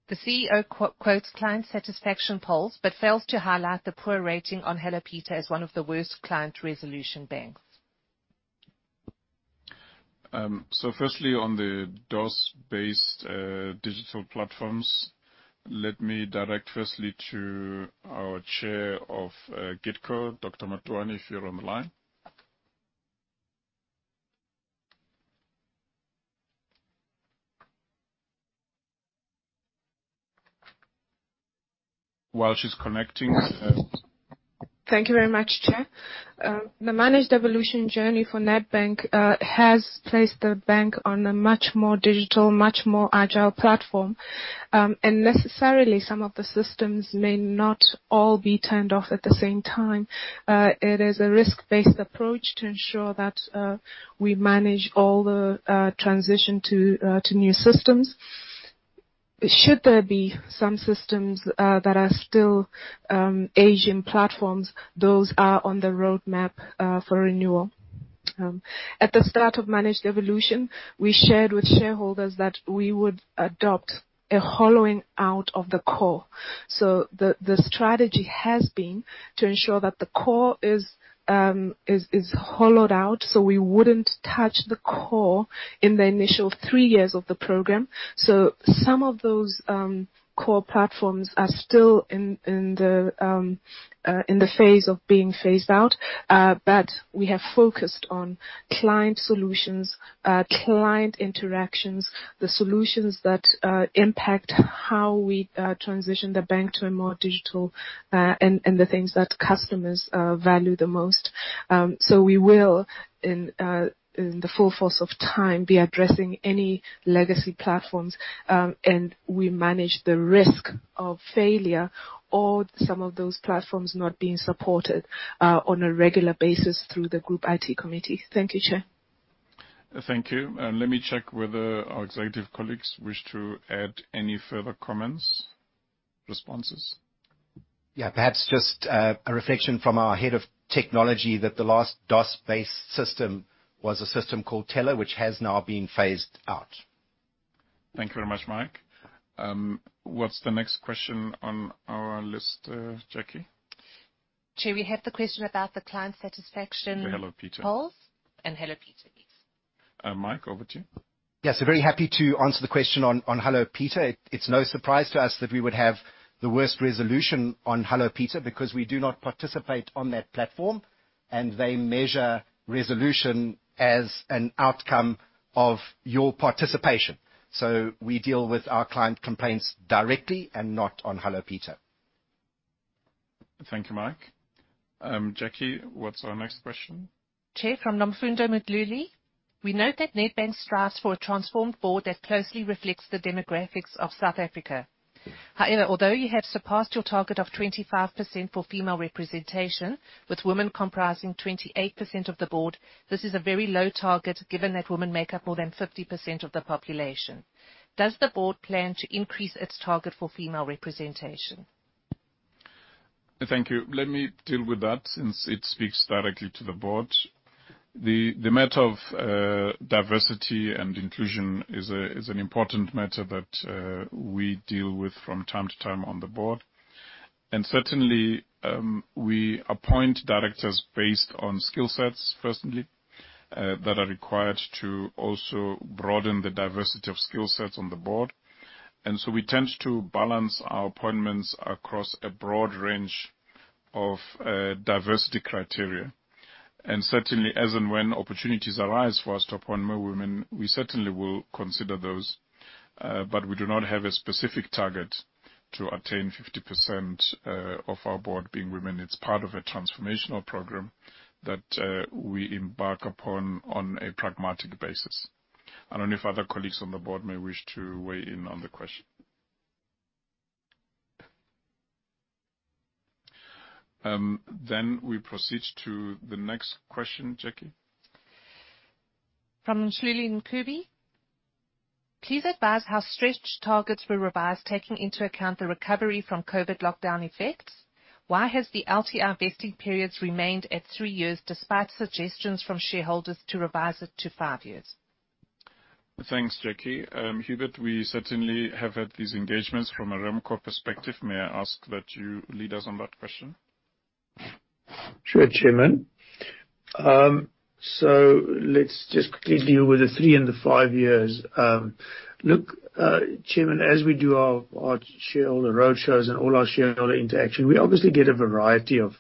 The CEO quotes client satisfaction polls but fails to highlight the poor rating on Hellopeter as one of the worst client resolution banks. Firstly, on the DOS-based digital platforms, let me direct firstly to our chair of GITCO, Dr. Matuwane, if you're on the line. While she's connecting. Thank you very much, Chair. The Managed Evolution journey for Nedbank has placed the bank on a much more digital, much more agile platform. Necessarily, some of the systems may not all be turned off at the same time. It is a risk-based approach to ensure that we manage all the transition to new systems. Should there be some systems that are still aging platforms, those are on the roadmap for renewal. At the start of Managed Evolution, we shared with shareholders that we would adopt a hollowing out of the core. The strategy has been to ensure that the core is hollowed out, so we wouldn't touch the core in the initial three years of the program. Some of those core platforms are still in the phase of being phased out. We have focused on client solutions, client interactions, the solutions that impact how we transition the bank to a more digital, and the things that customers value the most. We will, in the full force of time, be addressing any legacy platforms, and we manage the risk of failure or some of those platforms not being supported on a regular basis through the Group IT Committee. Thank you, Chair. Thank you. Let me check whether our executive colleagues wish to add any further comments, responses. Yeah, perhaps just a reflection from our head of technology that the last DOS-based system was a system called Teller, which has now been phased out. Thank you very much, Mike. What's the next question on our list, Jackie? Chair, we have the question about the client satisfaction- The Hellopeter polls. Hellopeter, yes. Mike, over to you. Yes, very happy to answer the question on Hellopeter. It's no surprise to us that we would have the worst resolution on Hellopeter, because we do not participate on that platform, and they measure resolution as an outcome of your participation. We deal with our client complaints directly and not on Hellopeter. Thank you, Mike. Jackie, what's our next question? Chair, from Nomfundo Mdhluli. We note that Nedbank strives for a transformed board that closely reflects the demographics of South Africa. However, although you have surpassed your target of 25% for female representation, with women comprising 28% of the board, this is a very low target given that women make up more than 50% of the population. Does the board plan to increase its target for female representation? Thank you. Let me deal with that since it speaks directly to the board. Certainly, we appoint directors based on skill sets, firstly, that are required to also broaden the diversity of skill sets on the board. We tend to balance our appointments across a broad range of diversity criteria. Certainly, as and when opportunities arise for us to appoint more women, we certainly will consider those. We do not have a specific target to attain 50% of our board being women. It's part of a transformational program that we embark upon on a pragmatic basis. I don't know if other colleagues on the board may wish to weigh in on the question. We proceed to the next question, Jackie. From Shuli Ncube. Please advise how stretched targets were revised taking into account the recovery from COVID lockdown effects. Why has the LTI vesting periods remained at three years, despite suggestions from shareholders to revise it to five years? Thanks, Jackie. Hubert, we certainly have had these engagements from a RemCo perspective. May I ask that you lead us on that question? Sure, Chairman. Let's just quickly deal with the three and the five years. Look, Chairman, as we do our shareholder road shows and all our shareholder interaction, we obviously get a variety of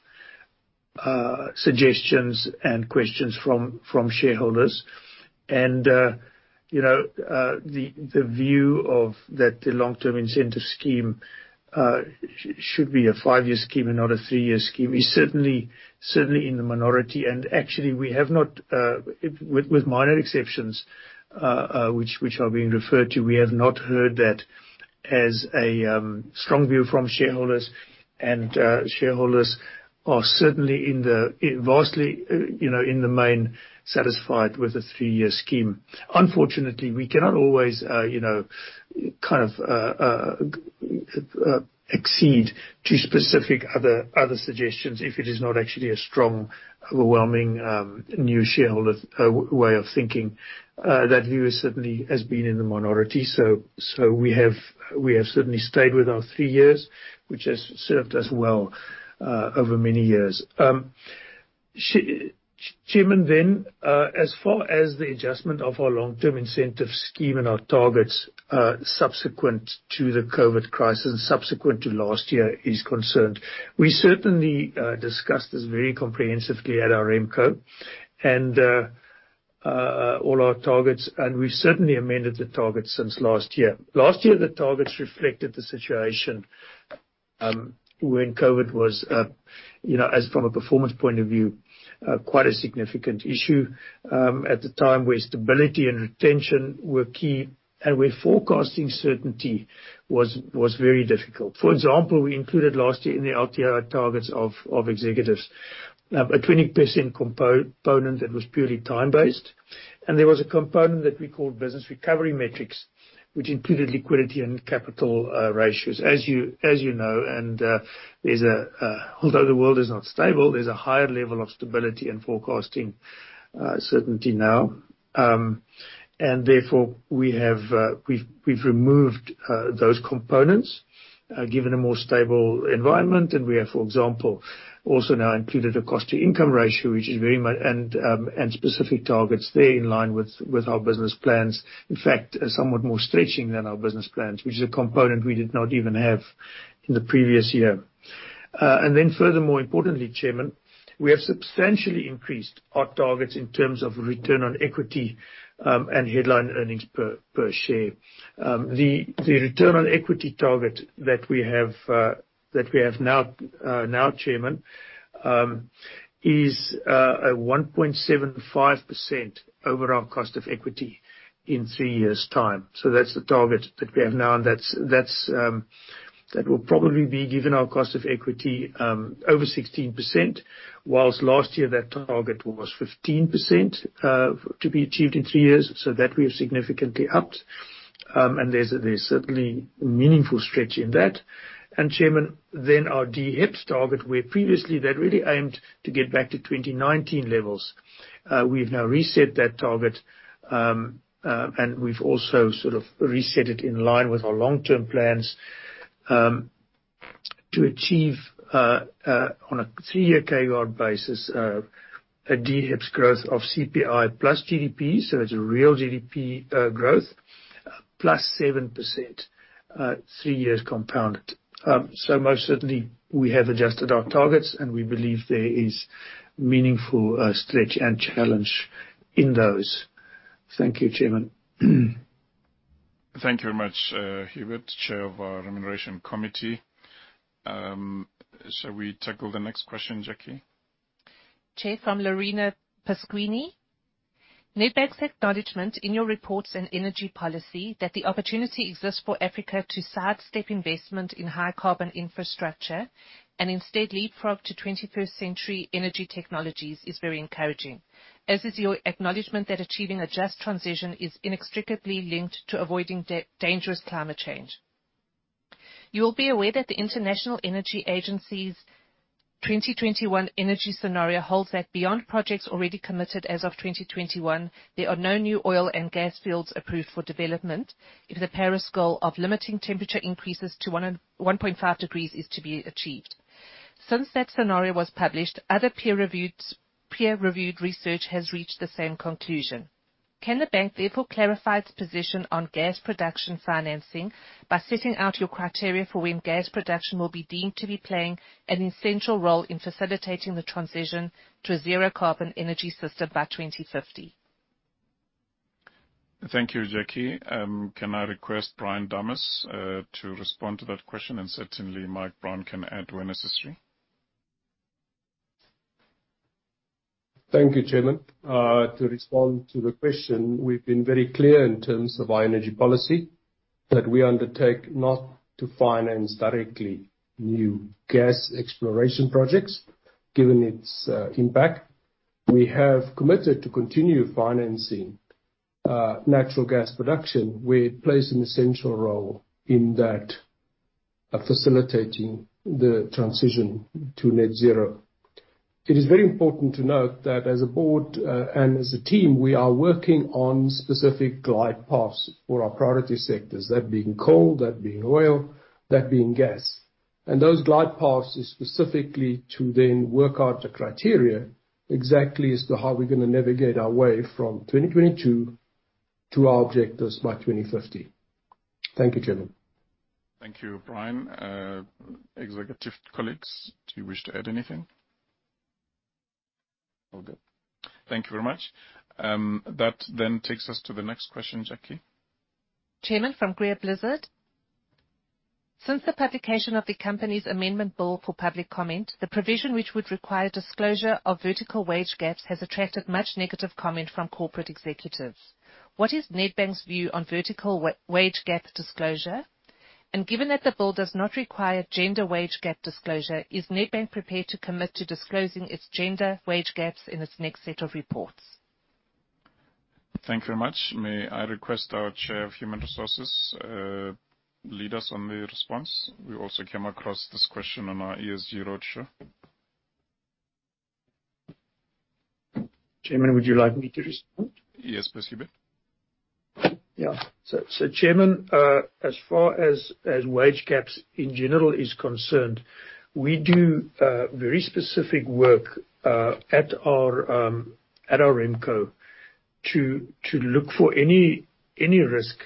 suggestions and questions from shareholders. The view of that long-term incentive scheme should be a five-year scheme and not a three-year scheme is certainly in the minority. Actually, we have not, with minor exceptions, which are being referred to, we have not heard that as a strong view from shareholders. Shareholders are certainly vastly, in the main, satisfied with the three-year scheme. Unfortunately, we cannot always accede to specific other suggestions if it is not actually a strong, overwhelming new shareholder way of thinking. That view certainly has been in the minority. We have certainly stayed with our three years, which has served us well over many years. Chairman, As far as the adjustment of our long-term incentive scheme and our targets subsequent to the COVID-19 crisis, subsequent to last year is concerned, we certainly discussed this very comprehensively at our RemCo and all our targets, we've certainly amended the targets since last year. Last year, the targets reflected the situation When COVID-19 was, as from a performance point of view, quite a significant issue at the time, where stability and retention were key, where forecasting certainty was very difficult. For example, we included last year in the LTI targets of executives, a 20% component that was purely time-based, there was a component that we called business recovery metrics, which included liquidity and capital ratios. As you know, although the world is not stable, there's a higher level of stability and forecasting certainty now. Therefore, we've removed those components, given a more stable environment. We have, for example, also now included a cost-to-income ratio, and specific targets there in line with our business plans. In fact, somewhat more stretching than our business plans, which is a component we did not even have in the previous year. Furthermore, importantly, Chairman, we have substantially increased our targets in terms of return on equity, Headline earnings per share. The return on equity target that we have now, Chairman, is a 1.75% overall cost of equity in three years' time. That's the target that we have now, and that will probably be, given our cost of equity, over 16%, whilst last year that target was 15% to be achieved in three years. That we have significantly upped. There's certainly meaningful stretch in that. Chairman, then our DHEPS target, where previously they really aimed to get back to 2019 levels. We've now reset that target, and we've also sort of reset it in line with our long-term plans, to achieve, on a three-year CAGR basis, a DHEPS growth of CPI plus GDP, so it's a real GDP growth, plus 7% three years compounded. Most certainly we have adjusted our targets, and we believe there is meaningful stretch and challenge in those. Thank you, Chairman. Thank you very much, Hubert, Chair of our Remuneration Committee. Shall we tackle the next question, Jackie? Chair, from Larina Pasquini. Nedbank's acknowledgment in your reports and energy policy that the opportunity exists for Africa to sidestep investment in high-carbon infrastructure and instead leapfrog to 21st century energy technologies is very encouraging, as is your acknowledgment that achieving a just transition is inextricably linked to avoiding dangerous climate change. You will be aware that the International Energy Agency's 2021 energy scenario holds that beyond projects already committed as of 2021, there are no new oil and gas fields approved for development if the Paris goal of limiting temperature increases to 1.5 degrees is to be achieved. Since that scenario was published, other peer-reviewed research has reached the same conclusion. Can the bank therefore clarify its position on gas production financing by setting out your criteria for when gas production will be deemed to be playing an essential role in facilitating the transition to a zero carbon energy system by 2050? Thank you, Jackie. Can I request Brian Dames to respond to that question? Certainly Mike Brown can add where necessary. Thank you, Chairman. To respond to the question, we've been very clear in terms of our energy policy, that we undertake not to finance directly new gas exploration projects, given its impact. We have committed to continue financing natural gas production where it plays an essential role in that of facilitating the transition to net zero. It is very important to note that as a board and as a team, we are working on specific glide paths for our priority sectors, that being coal, that being oil, that being gas. Those glide paths is specifically to then work out the criteria exactly as to how we're going to navigate our way from 2022 to our objectives by 2050. Thank you, Chairman. Thank you, Brian. Executive colleagues, do you wish to add anything? All good. Thank you very much. That takes us to the next question, Jackie. Chairman, from Greer Blizzard. Since the publication of the company's amendment bill for public comment, the provision which would require disclosure of vertical wage gaps has attracted much negative comment from corporate executives. What is Nedbank's view on vertical wage gap disclosure? Given that the bill does not require gender wage gap disclosure, is Nedbank prepared to commit to disclosing its gender wage gaps in its next set of reports? Thank you very much. May I request our Chair of Human Resources lead us on the response? We also came across this question on our ESG roadshow. Chairman, would you like me to respond? Yes, please, Hubert. Yeah. Chairman, as far as wage gaps in general is concerned, we do very specific work at our RemCo to look for any risk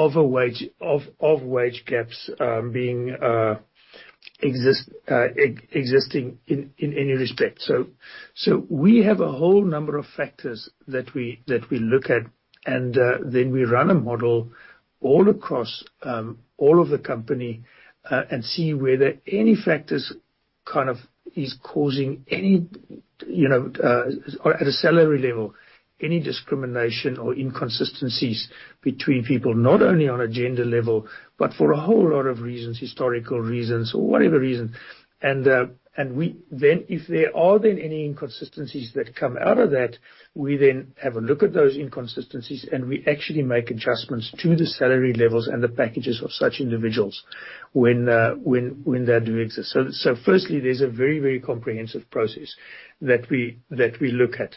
of wage gaps being existing in any respect. We have a whole number of factors that we look at, and then we run a model all across all of the company, and see whether any factors is causing any, at a salary level, any discrimination or inconsistencies between people, not only on a gender level, but for a whole lot of reasons, historical reasons or whatever reason. If there are then any inconsistencies that come out of that, we then have a look at those inconsistencies, and we actually make adjustments to the salary levels and the packages of such individuals when they do exist. Firstly, there's a very comprehensive process that we look at.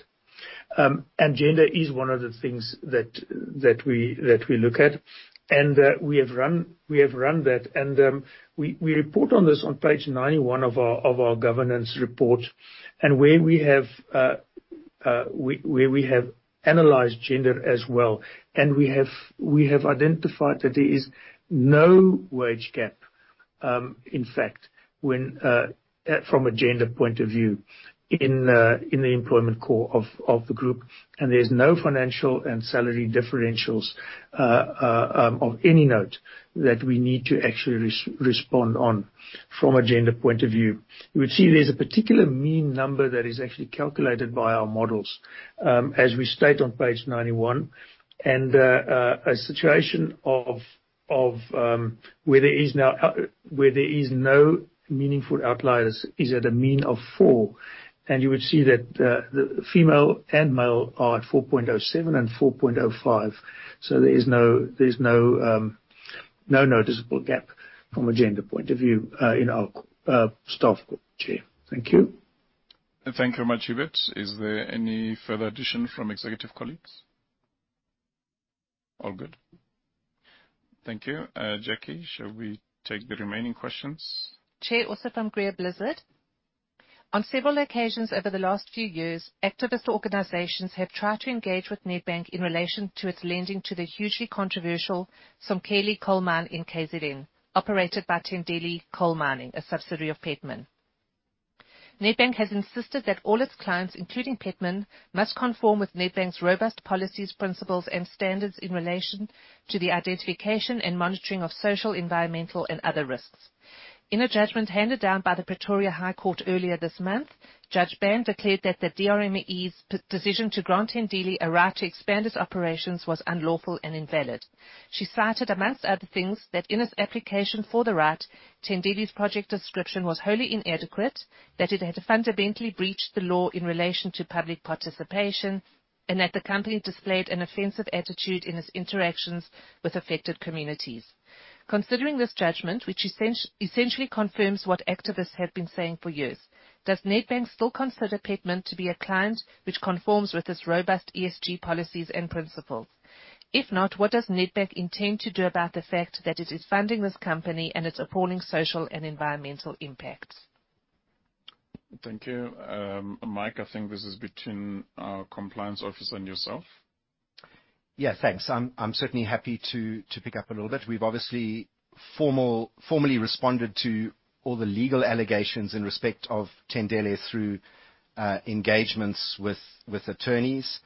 Gender is one of the things that we look at, and we have run that. We report on this on page 91 of our governance report, and where we have analyzed gender as well. We have identified that there is no wage gap, in fact, from a gender point of view in the employment core of the group. There's no financial and salary differentials of any note that we need to actually respond on from a gender point of view. You would see there's a particular mean number that is actually calculated by our models, as we state on page 91, and a situation where there is no meaningful outliers is at a mean of four. You would see that the female and male are at 4.07 and 4.05. There is no noticeable gap from a gender point of view in our staff, Chair. Thank you. Thank you very much, Hubert. Is there any further addition from executive colleagues? All good. Thank you. Jackie, shall we take the remaining questions? Chair, also from Greer Blizzard. On several occasions over the last few years, activist organizations have tried to engage with Nedbank in relation to its lending to the hugely controversial Somkhele coal mine in KZN, operated by Tendele Coal Mining, a subsidiary of Petmin. Nedbank has insisted that all its clients, including Petmin, must conform with Nedbank's robust policies, principles, and standards in relation to the identification and monitoring of social, environmental, and other risks. In a judgment handed down by the Pretoria High Court earlier this month, Judge Ben declared that the DMRE's decision to grant Tendele a right to expand its operations was unlawful and invalid. She cited, among other things, that in its application for the right, Tendele's project description was wholly inadequate, that it had fundamentally breached the law in relation to public participation, and that the company displayed an offensive attitude in its interactions with affected communities. Considering this judgment, which essentially confirms what activists had been saying for years, does Nedbank still consider Petmin to be a client which conforms with its robust ESG policies and principles? If not, what does Nedbank intend to do about the fact that it is funding this company and its appalling social and environmental impacts? Thank you. Mike, I think this is between our compliance officer and yourself. Yeah, thanks. I'm certainly happy to pick up a little bit. We've obviously formally responded to all the legal allegations in respect of Tendele through engagements with attorneys.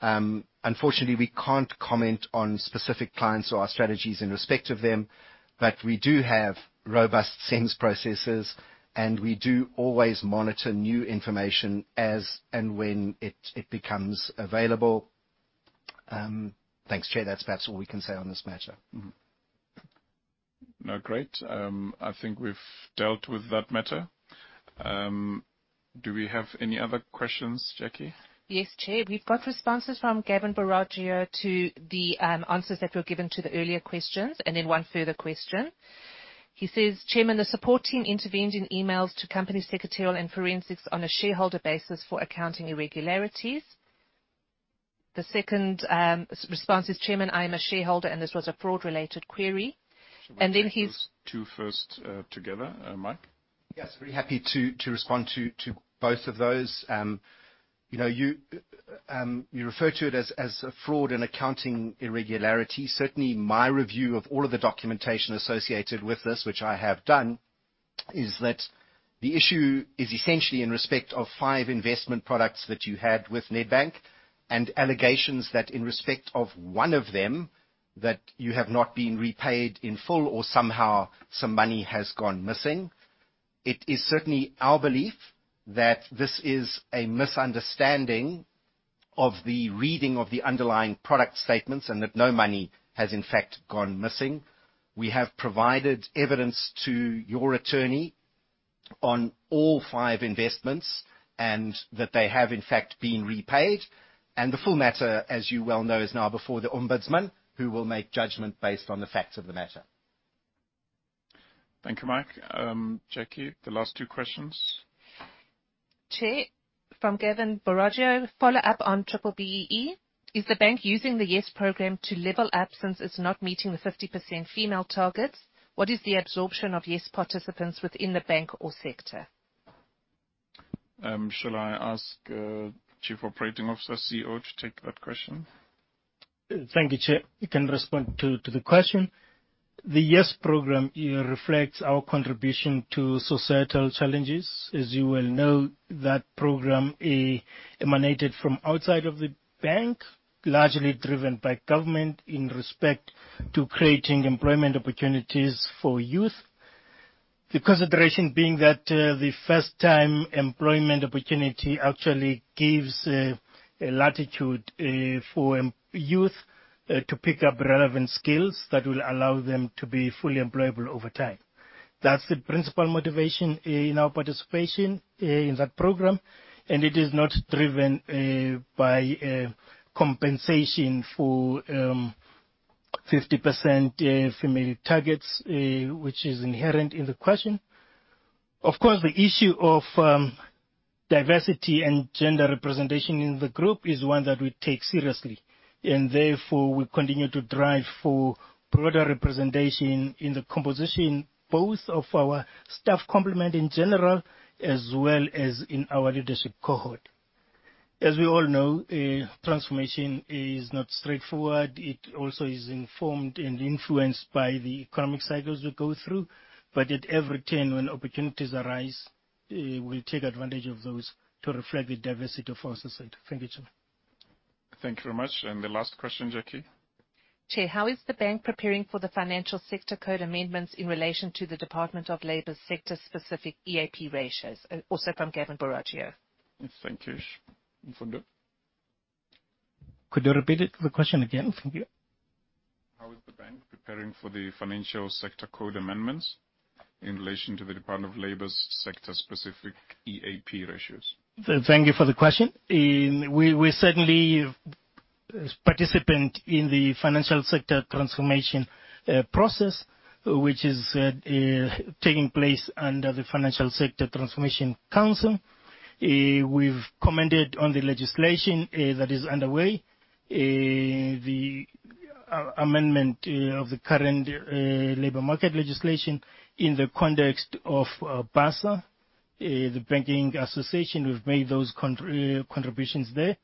Unfortunately, we can't comment on specific clients or our strategies in respect of them. We do have robust SENS processes, and we do always monitor new information as and when it becomes available. Thanks, Chair. That's all we can say on this matter. No, great. I think we've dealt with that matter. Do we have any other questions, Jackie? Yes, Chair. We've got responses from Gavin Borragio to the answers that were given to the earlier questions, then one further question. He says, "Chairman, the support team intervened in emails to company secretarial and forensics on a shareholder basis for accounting irregularities." The second response is, "Chairman, I am a shareholder, and this was a fraud-related query. Shall we take those two first together, Mike? Yes, very happy to respond to both of those. You refer to it as a fraud and accounting irregularity. Certainly, my review of all of the documentation associated with this, which I have done, is that the issue is essentially in respect of five investment products that you had with Nedbank, and allegations that in respect of one of them, that you have not been repaid in full or somehow some money has gone missing. It is certainly our belief that this is a misunderstanding of the reading of the underlying product statements, and that no money has in fact gone missing. We have provided evidence to your attorney on all five investments, and that they have in fact been repaid. The full matter, as you well know, is now before the ombudsman, who will make judgment based on the facts of the matter. Thank you, Mike. Jackie, the last two questions. Chair, from Gavin Borragio. Follow-up on Triple BEE. Is the bank using the YES Program to level absence? It's not meeting the 50% female targets. What is the absorption of YES participants within the bank or sector? Shall I ask Chief Operating Officer, CEO, to take that question? Thank you, Chair. I can respond to the question. The YES Program reflects our contribution to societal challenges. As you well know, that program emanated from outside of the bank, largely driven by government in respect to creating employment opportunities for youth. The consideration being that the first-time employment opportunity actually gives a latitude for youth to pick up relevant skills that will allow them to be fully employable over time. That's the principal motivation in our participation in that program, and it is not driven by compensation for 50% female targets, which is inherent in the question. Of course, the issue of diversity and gender representation in the group is one that we take seriously. Therefore, we continue to drive for broader representation in the composition, both of our staff complement in general, as well as in our leadership cohort. As we all know, transformation is not straightforward. It also is informed and influenced by the economic cycles we go through. At every turn when opportunities arise, we'll take advantage of those to reflect the diversity of our society. Thank you, Chair. Thank you very much. The last question, Jackie. Chair, how is the bank preparing for the Financial Sector Code amendments in relation to the Department of Labour's sector specific EAP ratios? From Gavin Baratio. Thank you. Mfundo? Could you repeat it the question again? Thank you. How is the bank preparing for the Financial Sector Code amendments in relation to the Department of Labor's sector specific EAP ratios? Thank you for the question. We're certainly participant in the financial sector transformation process, which is taking place under the Financial Sector Transformation Council. We've commented on the legislation that is underway. The amendment of the current labor market legislation in the context of BASA, the banking association, we've made those contributions there.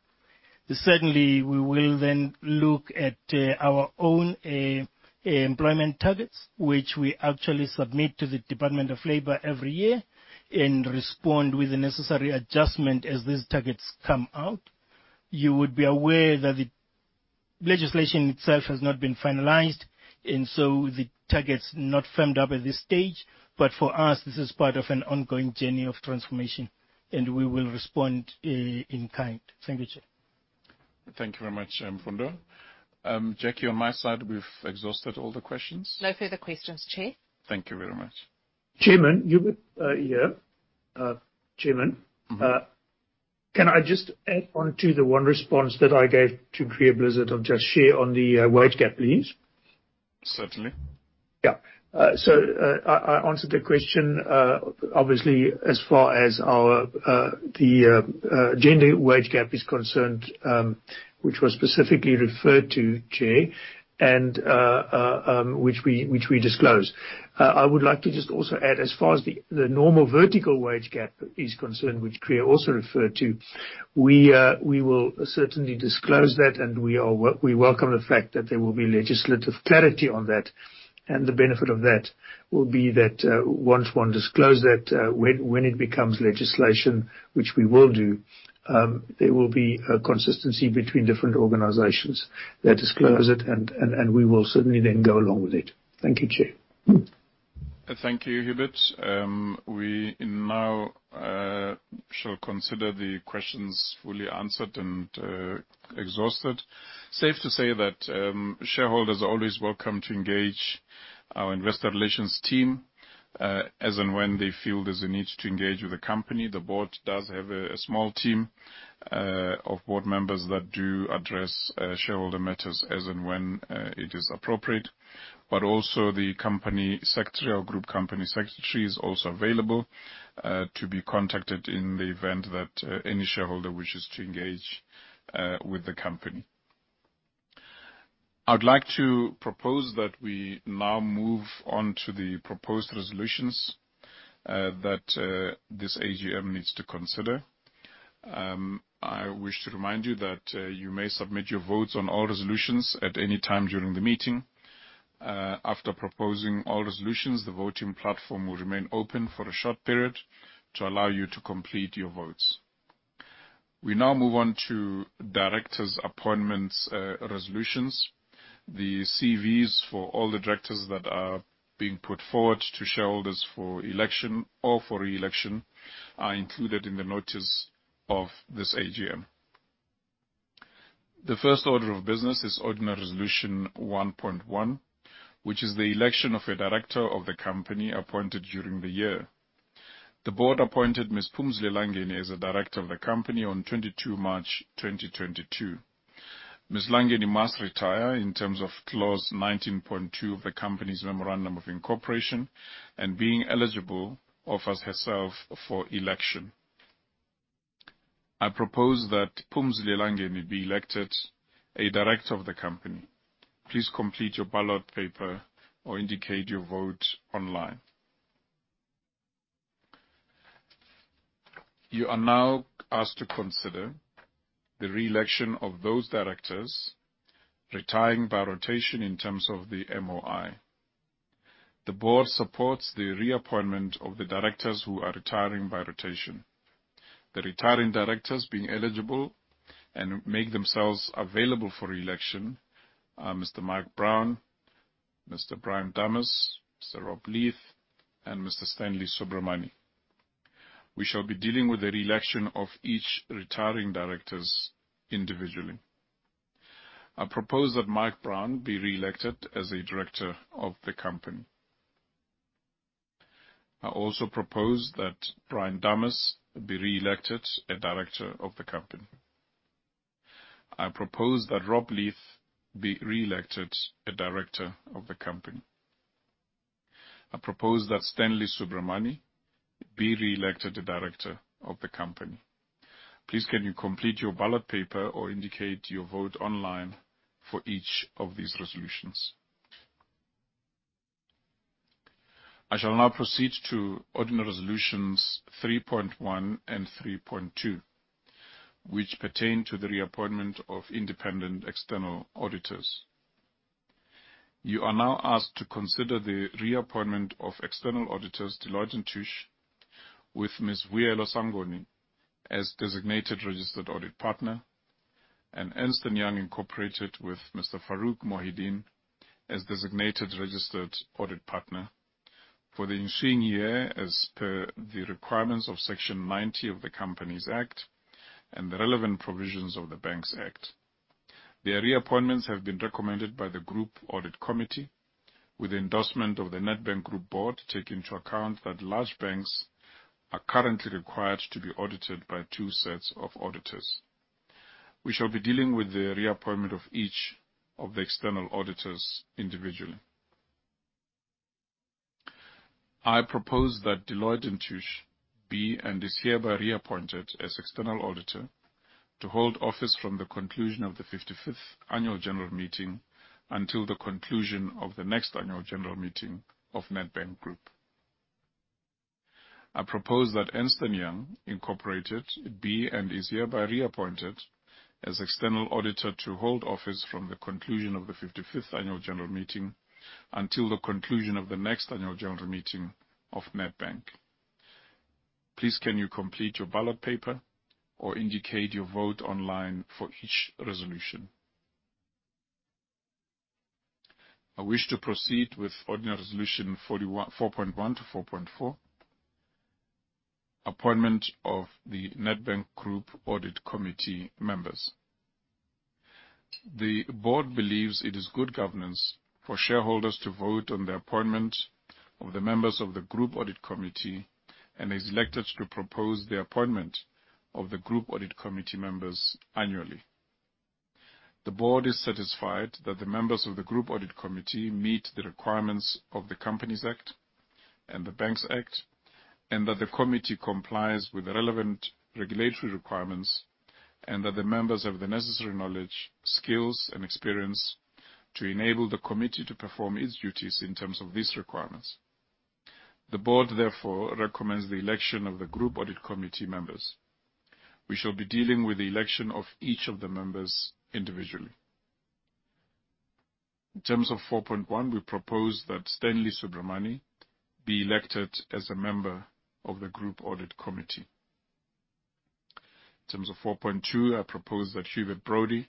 Certainly, we will then look at our own employment targets, which we actually submit to the Department of Labor every year and respond with the necessary adjustment as these targets come out. You would be aware that the legislation itself has not been finalized. The target's not firmed up at this stage. For us, this is part of an ongoing journey of transformation, and we will respond in kind. Thank you, Chair. Thank you very much, Mfundo. Jackie, on my side, we've exhausted all the questions. No further questions, Chair. Thank you very much. Chairman. Hubert here. Chairman, can I just add on to the one response that I gave to Greer Blizzard of Just Share on the wage gap, please? Certainly. I answered the question, obviously, as far as the gender wage gap is concerned, which was specifically referred to, Chair, and which we disclosed. I would like to just also add as far as the normal vertical wage gap is concerned, which Greer also referred to. We will certainly disclose that. We welcome the fact that there will be legislative clarity on that. The benefit of that will be that, once one disclose that, when it becomes legislation, which we will do, there will be a consistency between different organizations that disclose it, and we will certainly then go along with it. Thank you, Chair. Thank you, Hubert. We now shall consider the questions fully answered and exhausted. Safe to say that shareholders are always welcome to engage our investor relations team, as and when they feel there's a need to engage with the company. The board does have a small team of board members that do address shareholder matters as and when it is appropriate. The company secretary or group company secretary is also available to be contacted in the event that any shareholder wishes to engage with the company. I would like to propose that we now move on to the proposed resolutions that this AGM needs to consider. I wish to remind you that you may submit your votes on all resolutions at any time during the meeting. After proposing all resolutions, the voting platform will remain open for a short period to allow you to complete your votes. We now move on to directors' appointments resolutions. The CVs for all the directors that are being put forward to shareholders for election or for re-election are included in the notice of this AGM. The first order of business is ordinary resolution 1.1, which is the election of a director of the company appointed during the year. The board appointed Ms. Phumzile Langeni as a director of the company on 22 March 2022. Ms. Langeni must retire in terms of clause 19.2 of the company's memorandum of incorporation and being eligible, offers herself for election. I propose that Phumzile Langeni be elected a director of the company. Please complete your ballot paper or indicate your vote online. You are now asked to consider the re-election of those directors retiring by rotation in terms of the MOI. The board supports the reappointment of the directors who are retiring by rotation. The retiring directors being eligible and make themselves available for re-election are Mr. Mike Brown, Mr. Brian Dames, Mr. Rob Leith, and Mr. Stanley Subramoney. We shall be dealing with the re-election of each retiring directors individually. I propose that Mike Brown be re-elected as a director of the company. I also propose that Brian Dames be re-elected a director of the company. I propose that Rob Leith be re-elected a director of the company. I propose that Stanley Subramoney be re-elected a director of the company. Please can you complete your ballot paper or indicate your vote online for each of these resolutions. I shall now proceed to ordinary resolutions 3.1 and 3.2, which pertain to the reappointment of independent external auditors. You are now asked to consider the reappointment of external auditors, Deloitte & Touche, with Ms. Vuyelwa Sangoni as designated registered audit partner, and Ernst & Young Incorporated with Mr. Farouk Mohideen as designated registered audit partner for the ensuing year as per the requirements of Section 90 of the Companies Act and the relevant provisions of the Banks Act. Their reappointments have been recommended by the Group Audit Committee with the endorsement of the Nedbank Group board, taking into account that large banks are currently required to be audited by two sets of auditors. We shall be dealing with the reappointment of each of the external auditors individually. I propose that Deloitte & Touche be and is hereby reappointed as external auditor to hold office from the conclusion of the 55th annual general meeting until the conclusion of the next annual general meeting of Nedbank Group. I propose that Ernst & Young Incorporated be and is hereby reappointed as external auditor to hold office from the conclusion of the 55th annual general meeting until the conclusion of the next annual general meeting of Nedbank. Please can you complete your ballot paper or indicate your vote online for each resolution. I wish to proceed with ordinary resolution 4.1 to 4.4, appointment of the Nedbank Group audit committee members. The board believes it is good governance for shareholders to vote on the appointment of the members of the group audit committee and is elected to propose the appointment of the group audit committee members annually. The board is satisfied that the members of the group audit committee meet the requirements of the Companies Act and the Banks Act, and that the committee complies with the relevant regulatory requirements, and that the members have the necessary knowledge, skills and experience to enable the committee to perform its duties in terms of these requirements. The board therefore recommends the election of the group audit committee members. We shall be dealing with the election of each of the members individually. In terms of 4.1, we propose that Stanley Subramoney be elected as a member of the group audit committee. In terms of 4.2, I propose that Shuva Brodie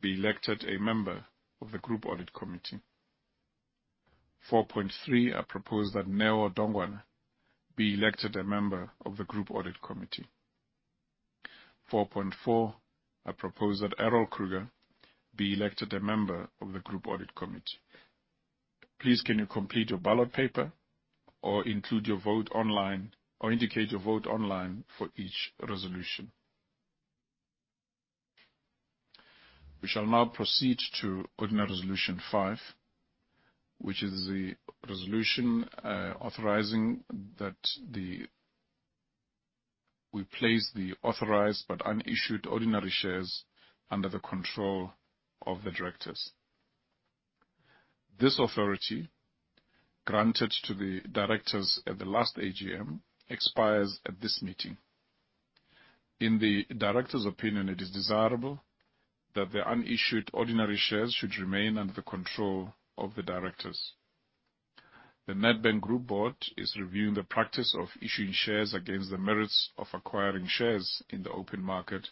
be elected a member of the group audit committee. 4.3, I propose that Neo Dongwana be elected a member of the group audit committee. 4.4, I propose that Errol Kruger be elected a member of the group audit committee. Please can you complete your ballot paper or indicate your vote online for each resolution. We shall now proceed to ordinary resolution five, which is the resolution authorizing that we place the authorized but unissued ordinary shares under the control of the directors. This authority, granted to the directors at the last AGM, expires at this meeting. In the directors' opinion, it is desirable that the unissued ordinary shares should remain under the control of the directors. The Nedbank Group board is reviewing the practice of issuing shares against the merits of acquiring shares in the open market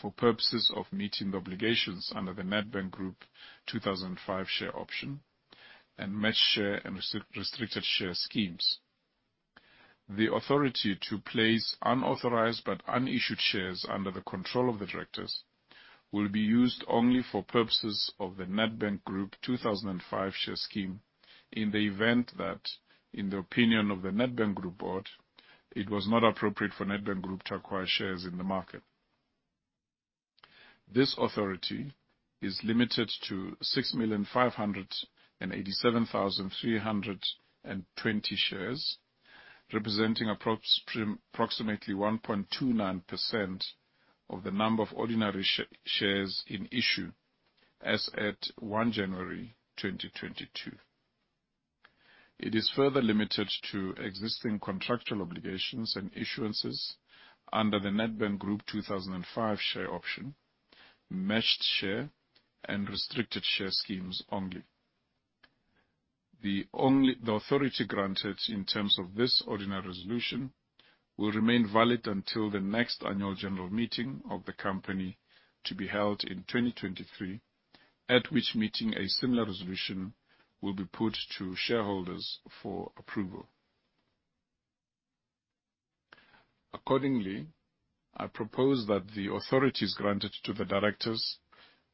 for purposes of meeting the obligations under the Nedbank Group 2005 Share Option, Matched Share and Restricted Share Scheme. The authority to place unauthorized but unissued shares under the control of the directors will be used only for purposes of the Nedbank Group 2005 Share Scheme in the event that, in the opinion of the Nedbank Group board, it was not appropriate for Nedbank Group to acquire shares in the market. This authority is limited to 6,587,320 shares, representing approximately 1.29% of the number of ordinary shares in issue as at 1 January 2022. It is further limited to existing contractual obligations and issuances under the Nedbank Group 2005 Share Option, Matched Share, and Restricted Share Scheme only. The authority granted in terms of this ordinary resolution will remain valid until the next annual general meeting of the company to be held in 2023, at which meeting a similar resolution will be put to shareholders for approval. Accordingly, I propose that the authority is granted to the directors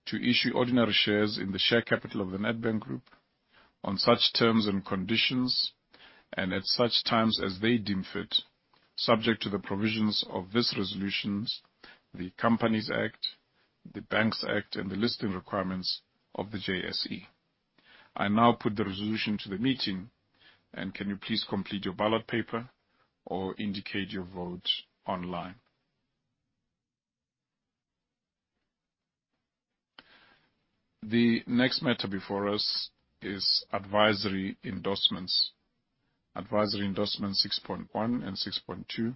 to issue ordinary shares in the share capital of the Nedbank Group on such terms and conditions, and at such times as they deem fit, subject to the provisions of this resolutions, the Companies Act, the Banks Act, and the listing requirements of the JSE. I now put the resolution to the meeting. Can you please complete your ballot paper or indicate your vote online. The next matter before us is advisory endorsements. Advisory endorsements 6.1 and 6.2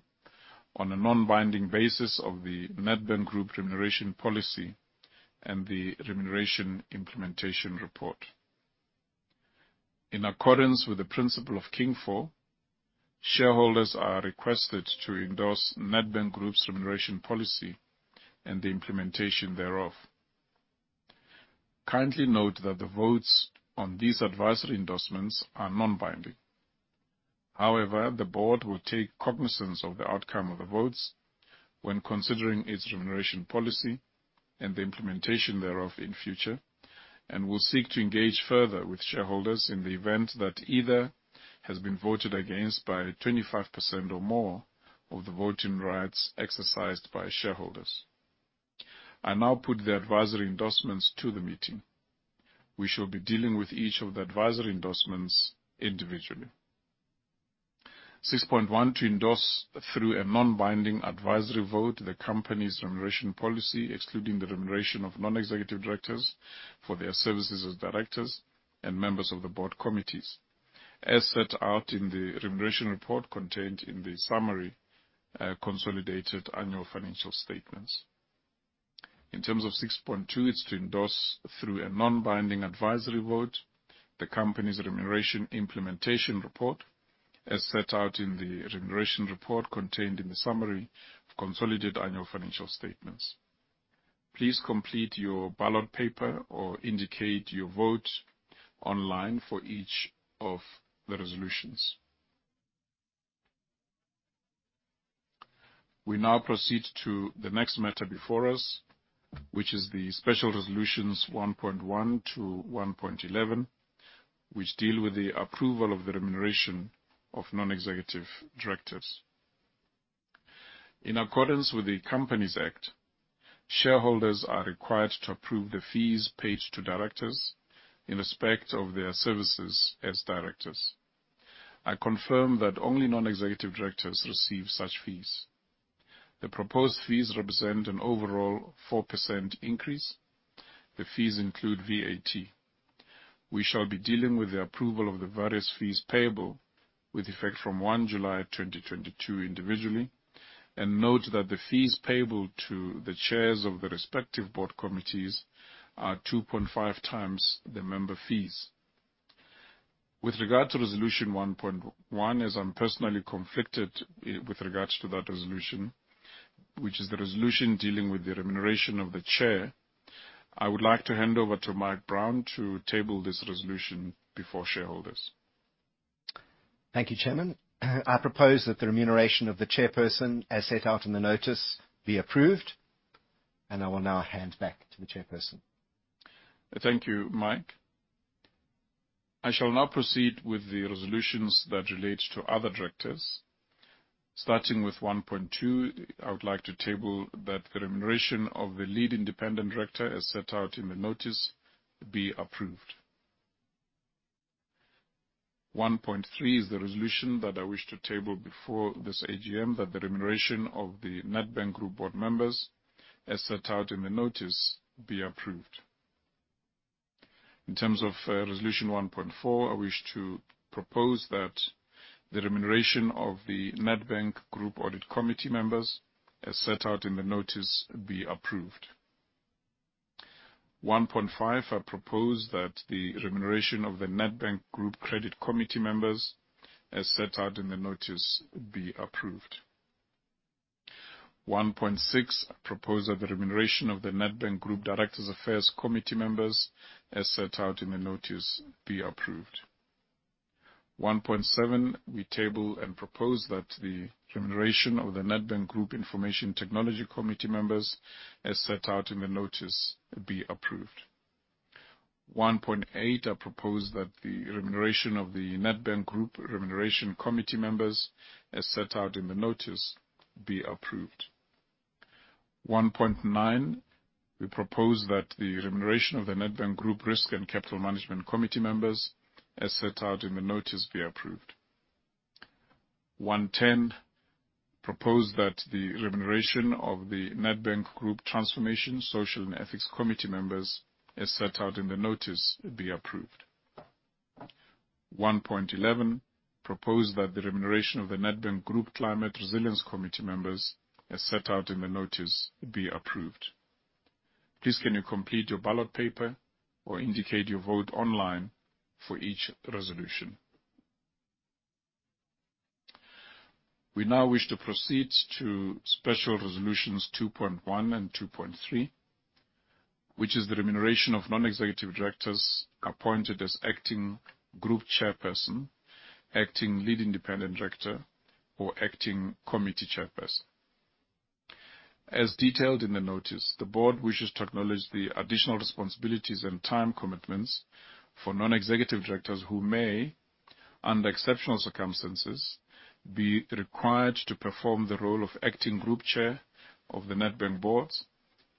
on a non-binding basis of the Nedbank Group remuneration policy and the remuneration implementation report. In accordance with the principle of King IV, shareholders are requested to endorse Nedbank Group's remuneration policy and the implementation thereof. Kindly note that the votes on these advisory endorsements are non-binding. However, the board will take cognizance of the outcome of the votes when considering its remuneration policy and the implementation thereof in future, and will seek to engage further with shareholders in the event that either has been voted against by 25% or more of the voting rights exercised by shareholders. I now put the advisory endorsements to the meeting. We shall be dealing with each of the advisory endorsements individually. 6.1, to endorse through a non-binding advisory vote the company's remuneration policy, excluding the remuneration of non-executive directors for their services as directors and members of the board committees, as set out in the remuneration report contained in the summary consolidated annual financial statements. In terms of 6.2, it's to endorse through a non-binding advisory vote the company's remuneration implementation report, as set out in the remuneration report contained in the summary consolidated annual financial statements. Please complete your ballot paper or indicate your vote online for each of the resolutions. We now proceed to the next matter before us, which is the special resolutions 1.1 to 1.11, which deal with the approval of the remuneration of non-executive directors. In accordance with the Companies Act, shareholders are required to approve the fees paid to directors in respect of their services as directors. I confirm that only non-executive directors receive such fees. The proposed fees represent an overall 4% increase. The fees include VAT. We shall be dealing with the approval of the various fees payable with effect from 1 July 2022 individually, and note that the fees payable to the chairs of the respective board committees are 2.5 times the member fees. With regard to resolution 1.1, as I'm personally conflicted with regards to that resolution, which is the resolution dealing with the remuneration of the chair, I would like to hand over to Mike Brown to table this resolution before shareholders. Thank you, Chairman. I propose that the remuneration of the chairperson, as set out in the notice, be approved. I will now hand back to the chairperson. Thank you, Mike. I shall now proceed with the resolutions that relate to other directors. Starting with 1.2, I would like to table that the remuneration of the Lead Independent Director, as set out in the notice, be approved. 1.3 is the resolution that I wish to table before this AGM that the remuneration of the Nedbank Group board members, as set out in the notice, be approved. In terms of resolution 1.4, I wish to propose that the remuneration of the Nedbank Group Audit Committee members, as set out in the notice, be approved. 1.5, I propose that the remuneration of the Nedbank Group Credit Committee members, as set out in the notice, be approved. 1.6, I propose that the remuneration of the Nedbank Group Directors' Affairs Committee members, as set out in the notice, be approved. 1.7, we table and propose that the remuneration of the Nedbank Group Information Technology Committee members, as set out in the notice, be approved. 1.8, I propose that the remuneration of the Nedbank Group Remuneration Committee members, as set out in the notice, be approved. 1.9, we propose that the remuneration of the Nedbank Group Risk and Capital Management Committee members, as set out in the notice, be approved. 1.10, propose that the remuneration of the Nedbank Group Transformation, Social and Ethics Committee members, as set out in the notice, be approved. 1.11, propose that the remuneration of the Nedbank Group Climate Resilience Committee members, as set out in the notice, be approved. Please can you complete your ballot paper or indicate your vote online for each resolution. We now wish to proceed to special resolutions 2.1 and 2.3, which is the remuneration of non-executive directors appointed as acting Group Chairperson, acting Lead Independent Director or acting Committee Chairperson. As detailed in the notice, the board wishes to acknowledge the additional responsibilities and time commitments for non-executive directors who may, under exceptional circumstances, be required to perform the role of acting Group Chair of the Nedbank boards,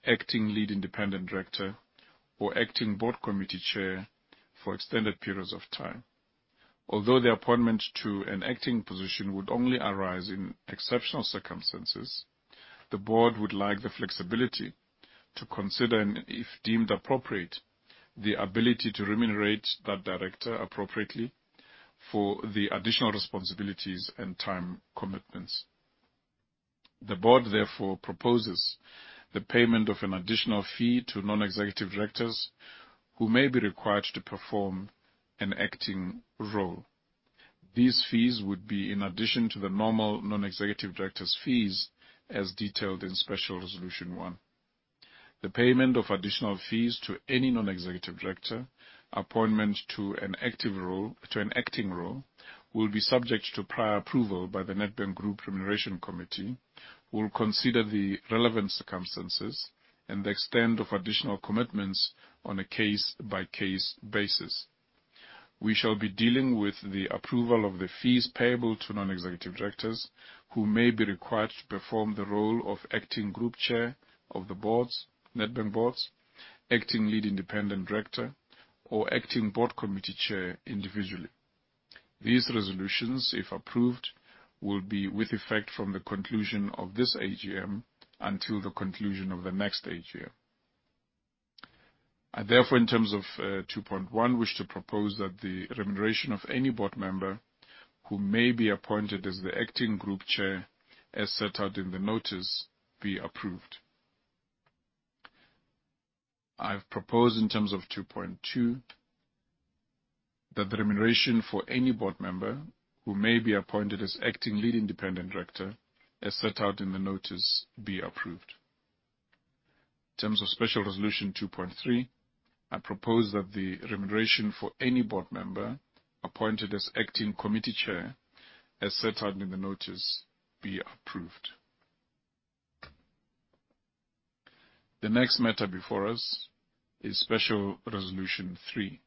acting Lead Independent Director or acting Board Committee Chair for extended periods of time. Although the appointment to an acting position would only arise in exceptional circumstances, the board would like the flexibility to consider, and if deemed appropriate, the ability to remunerate that director appropriately for the additional responsibilities and time commitments. The board therefore proposes the payment of an additional fee to non-executive directors who may be required to perform an acting role. These fees would be in addition to the normal non-executive directors' fees as detailed in Special Resolution 1. The payment of additional fees to any non-executive director appointed to an acting role will be subject to prior approval by the Nedbank Group Remuneration Committee, will consider the relevant circumstances and the extent of additional commitments on a case-by-case basis. We shall be dealing with the approval of the fees payable to non-executive directors who may be required to perform the role of acting group chair of the Nedbank boards, acting lead independent director or acting board committee chair individually. These resolutions, if approved, will be with effect from the conclusion of this AGM until the conclusion of the next AGM. I therefore, in terms of 2.1, wish to propose that the remuneration of any board member who may be appointed as the acting group chair, as set out in the notice, be approved. I've proposed in terms of 2.2 that the remuneration for any board member who may be appointed as acting lead independent director, as set out in the notice, be approved. In terms of Special Resolution 2.3, I propose that the remuneration for any board member appointed as acting committee chair, as set out in the notice, be approved. The next matter before us is Special Resolution 3.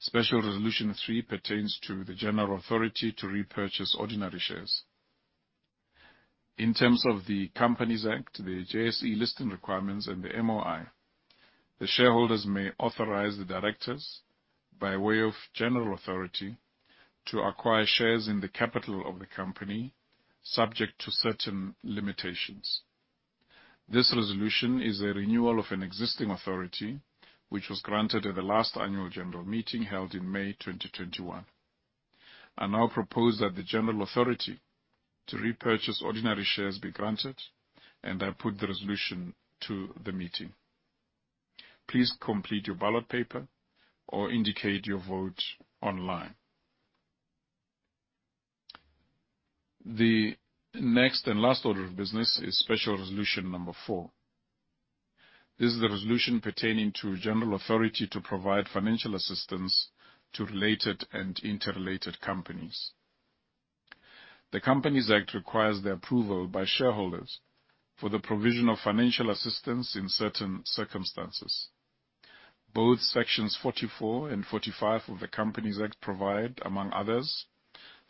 Special Resolution 3 pertains to the general authority to repurchase ordinary shares. In terms of the Companies Act, the JSE Listings Requirements and the MOI, the shareholders may authorize the directors by way of general authority to acquire shares in the capital of the company, subject to certain limitations. This resolution is a renewal of an existing authority, which was granted at the last annual general meeting held in May 2021. I now propose that the general authority to repurchase ordinary shares be granted, and I put the resolution to the meeting. Please complete your ballot paper or indicate your vote online. The next and last order of business is Special Resolution Number 4. This is the resolution pertaining to general authority to provide financial assistance to related and interrelated companies. The Companies Act requires the approval by shareholders for the provision of financial assistance in certain circumstances. Both Sections 44 and 45 of the Companies Act provide, among others,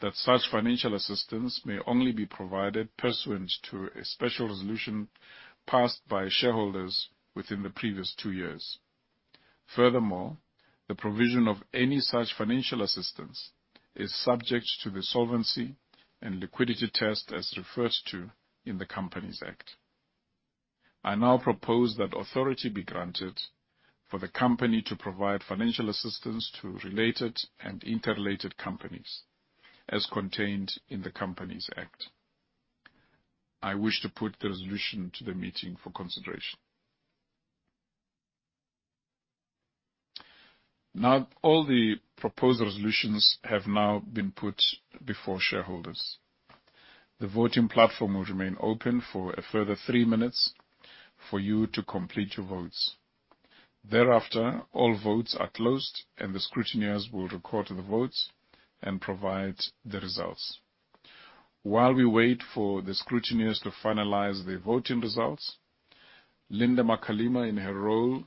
that such financial assistance may only be provided pursuant to a special resolution passed by shareholders within the previous two years. Furthermore, the provision of any such financial assistance is subject to the solvency and liquidity test as referred to in the Companies Act. I now propose that authority be granted for the company to provide financial assistance to related and interrelated companies as contained in the Companies Act. I wish to put the resolution to the meeting for consideration. Now, all the proposed resolutions have now been put before shareholders. The voting platform will remain open for a further three minutes for you to complete your votes. Thereafter, all votes are closed and the scrutineers will record the votes and provide the results. While we wait for the scrutineers to finalize the voting results, Linda Makalima, in her role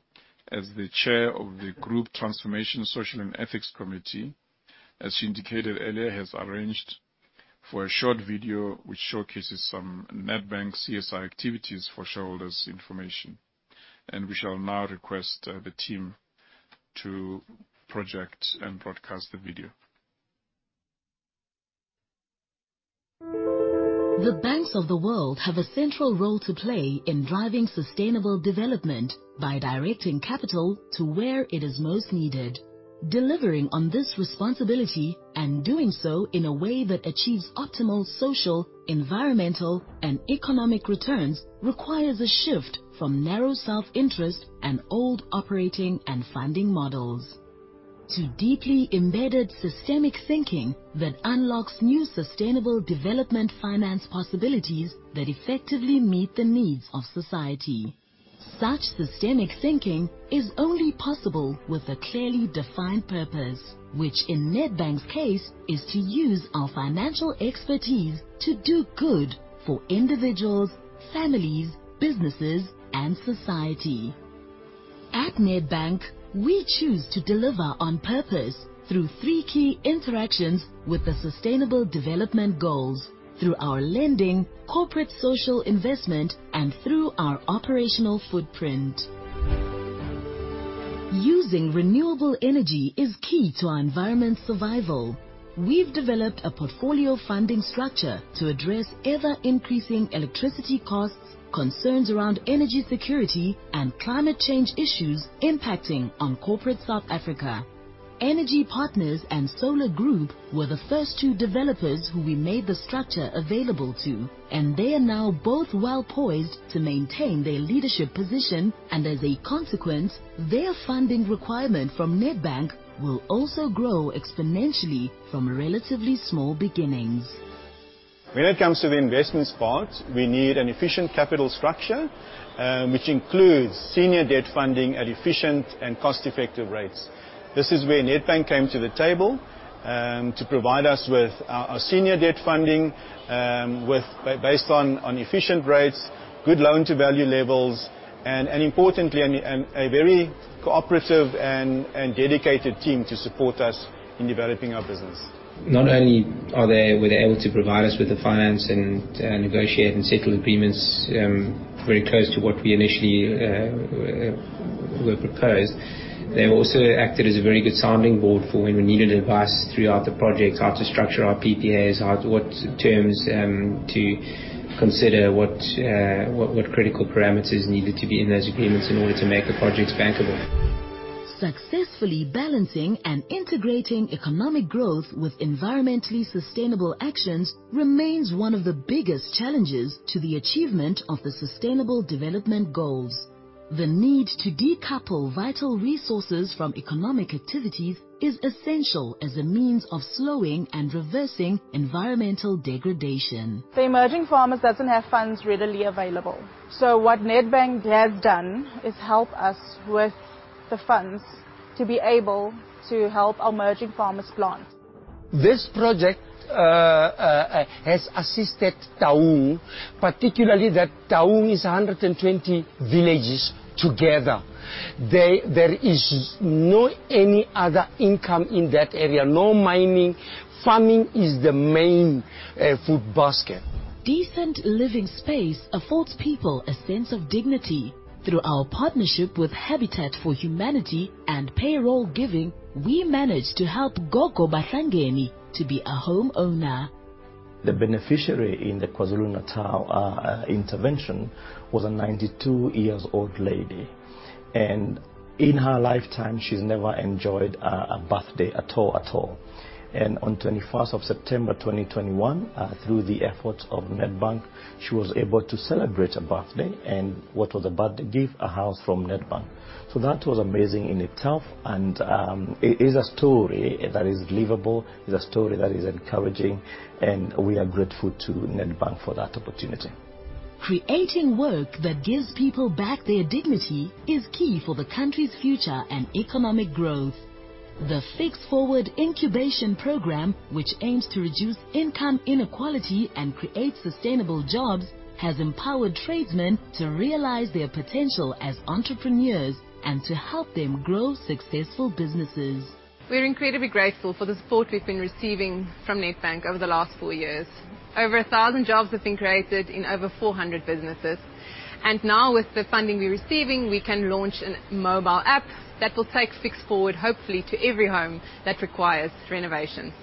as the chair of the Group Transformation, Social and Ethics Committee, as she indicated earlier, has arranged for a short video which showcases some Nedbank CSR activities for shareholders' information. We shall now request the team to project and broadcast the video. The banks of the world have a central role to play in driving sustainable development by directing capital to where it is most needed. Delivering on this responsibility and doing so in a way that achieves optimal social, environmental, and economic returns requires a shift from narrow self-interest and old operating and funding models to deeply embedded systemic thinking that unlocks new sustainable development finance possibilities that effectively meet the needs of society. Such systemic thinking is only possible with a clearly defined purpose, which in Nedbank's case, is to use our financial expertise to do good for individuals, families, businesses, and society. At Nedbank, we choose to deliver on purpose through three key interactions with the United Nations Sustainable Development Goals: through our lending, corporate social investment, and through our operational footprint. Using renewable energy is key to our environment's survival. We've developed a portfolio funding structure to address ever-increasing electricity costs, concerns around energy security, and climate change issues impacting on corporate South Africa. Energy Partners and SOLA Group were the first two developers who we made the structure available to, and they are now both well-poised to maintain their leadership position. As a consequence, their funding requirement from Nedbank will also grow exponentially from relatively small beginnings. When it comes to the investments part, we need an efficient capital structure, which includes senior debt funding at efficient and cost-effective rates. This is where Nedbank came to the table, to provide us with our senior debt funding based on efficient rates, good loan-to-value levels, and importantly, a very cooperative and dedicated team to support us in developing our business. Not only were they able to provide us with the finance and negotiate and settle agreements very close to what we initially were proposed, they also acted as a very good sounding board for when we needed advice throughout the project, how to structure our PPAs, what terms to consider, what critical parameters needed to be in those agreements in order to make the projects bankable. Successfully balancing and integrating economic growth with environmentally sustainable actions remains one of the biggest challenges to the achievement of the United Nations Sustainable Development Goals. The need to decouple vital resources from economic activities is essential as a means of slowing and reversing environmental degradation. The emerging farmers doesn't have funds readily available. What Nedbank has done is help us with the funds to be able to help our emerging farmers plant. This project has assisted Taung, particularly that Taung is 120 villages together. There is not any other income in that area. No mining. Farming is the main food basket. Decent living space affords people a sense of dignity. Through our partnership with Habitat for Humanity and Payroll Giving, we managed to help Gogo Basangeni to be a homeowner. The beneficiary in the KwaZulu-Natal intervention was a 92 years old lady. In her lifetime, she's never enjoyed a birthday at all. On 21st of September 2021, through the efforts of Nedbank, she was able to celebrate a birthday. What was a birthday gift? A house from Nedbank. That was amazing in itself, and it is a story that is livable. It's a story that is encouraging, and we are grateful to Nedbank for that opportunity. Creating work that gives people back their dignity is key for the country's future and economic growth. The Fix Forward incubation program, which aims to reduce income inequality and create sustainable jobs, has empowered tradesmen to realize their potential as entrepreneurs and to help them grow successful businesses. We're incredibly grateful for the support we've been receiving from Nedbank over the last four years. Over 1,000 jobs have been created in over 400 businesses. Now with the funding we're receiving, we can launch a mobile app that will take Fix Forward, hopefully, to every home that requires renovations.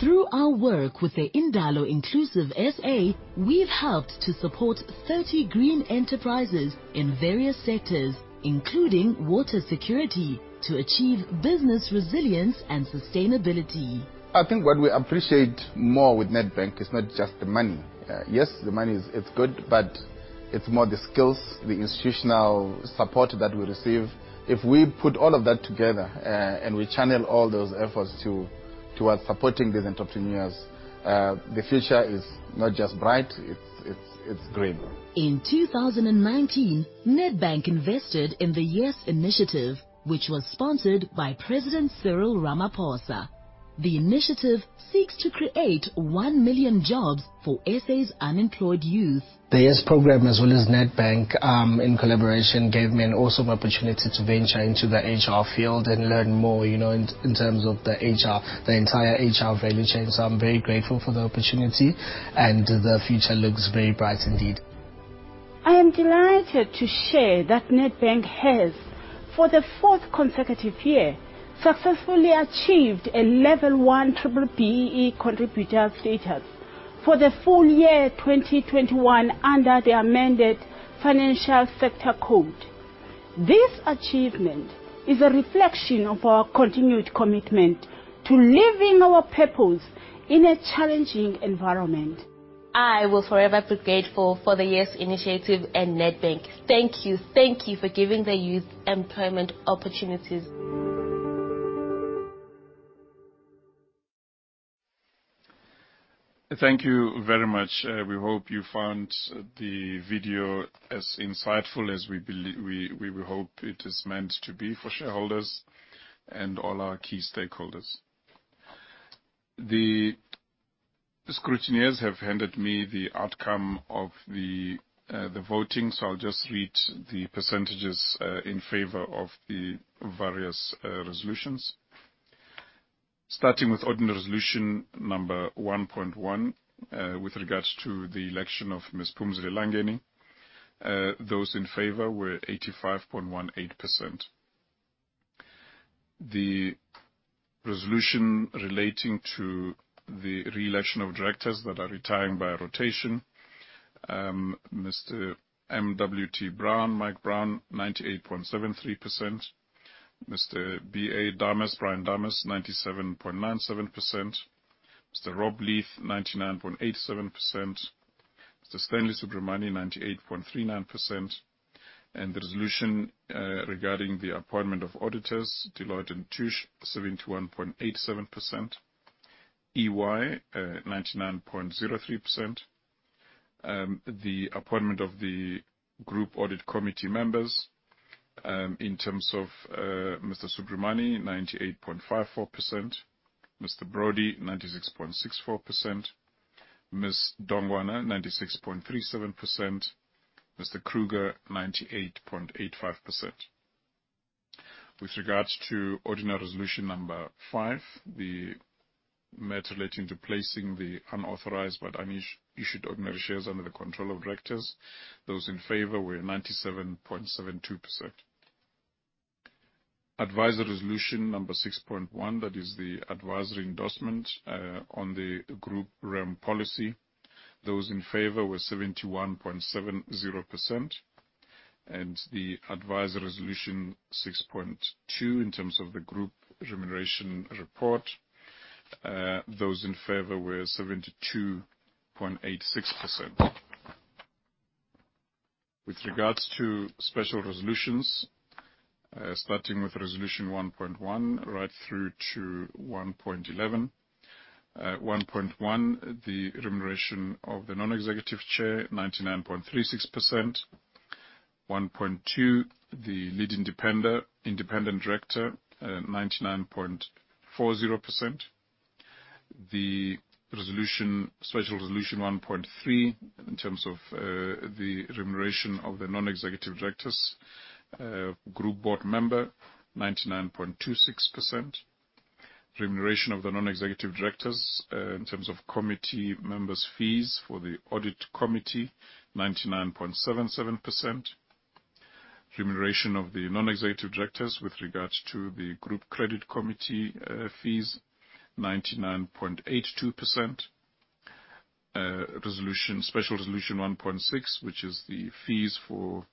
Through our work with the Indalo Inclusive SA, we've helped to support 30 green enterprises in various sectors, including water security, to achieve business resilience and sustainability. I think what we appreciate more with Nedbank is not just the money. Yes, the money, it's good, but it's more the skills, the institutional support that we receive. We channel all those efforts towards supporting these entrepreneurs, the future is not just bright, it's green. In 2019, Nedbank invested in the YES Initiative, which was sponsored by President Cyril Ramaphosa. The initiative seeks to create 1 million jobs for S.A.'s unemployed youth. The YES Program, as well as Nedbank, in collaboration, gave me an awesome opportunity to venture into the HR field and learn more in terms of the entire HR value chain. I'm very grateful for the opportunity, the future looks very bright indeed. I am delighted to share that Nedbank has, for the fourth consecutive year, successfully achieved a Level 1 B-BBEE contributor status for the full year 2021, under the amended Financial Sector Code. This achievement is a reflection of our continued commitment to living our purpose in a challenging environment. I will forever be grateful for the YES initiative and Nedbank. Thank you. Thank you for giving the youth employment opportunities. Thank you very much. We hope you found the video as insightful as we hope it is meant to be for shareholders and all our key stakeholders. The scrutineers have handed me the outcome of the voting. I'll just read the percentages, in favor of the various resolutions. Starting with ordinary resolution number 1.1, with regards to the election of Ms. Phumzile Langeni, those in favor were 85.18%. The resolution relating to the re-election of directors that are retiring by rotation. Mr. M. W. T. Brown, Mike Brown, 98.73%. Mr. B. A. Dames, Brian Dames, 97.97%. Mr. Rob Leith, 99.87%. Mr. Stanley Subramoney, 98.39%. The resolution regarding the appointment of auditors, Deloitte & Touche, 71.87%. EY, 99.03%. The appointment of the group audit committee members, in terms of Mr. Subramoney, 98.54%. Mr. Brody, 96.64%. Ms. Dongwana, 96.37%. Mr. Kruger, 98.85%. With regards to ordinary resolution number five, the matter relating to placing the unauthorized but unissued ordinary shares under the control of directors. Those in favor were 97.72%. Advisory solution number 6.1, that is the advisory endorsement on the group REM policy. Those in favor were 71.70%. The advisory solution 6.2, in terms of the group remuneration report, those in favor were 72.86%. With regards to special resolutions, starting with resolution 1.1 right through to 1.11. 1.1, the remuneration of the non-executive chair, 99.36%. 1.2, the lead independent director, 99.40%. The special resolution 1.3, in terms of the remuneration of the non-executive directors, group board member, 99.26%. Remuneration of the non-executive directors, in terms of committee members' fees for the audit committee, 99.77%. Remuneration of the non-executive directors with regards to the group credit committee fees, 99.82%. Special resolution 1.6, which is the fees for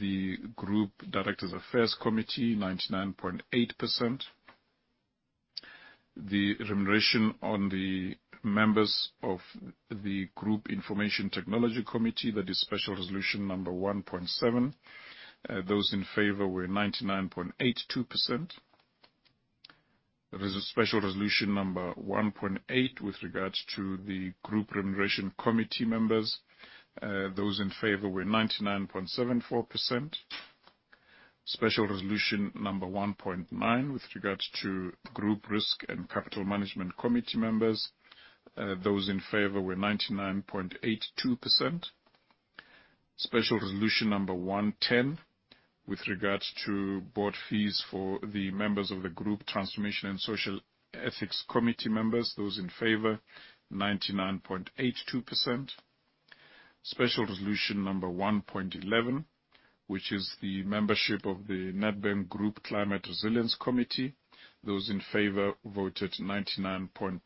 the Group Directors Affairs Committee, 99.8%. The remuneration on the members of the Group Information Technology Committee, that is special resolution number 1.7, those in favor were 99.82%. Special resolution number 1.8, with regards to the Group Remuneration Committee members, those in favor were 99.74%. Special resolution number 1.9, with regards to Group Risk and Capital Management Committee members, those in favor were 99.82%. Special resolution number 1.10, with regards to board fees for the members of the Group Transformation, Social and Ethics Committee members, those in favor, 99.82%. Special resolution number 1.11, which is the membership of the Nedbank Group Climate Resilience Committee, those in favor voted 99.92%.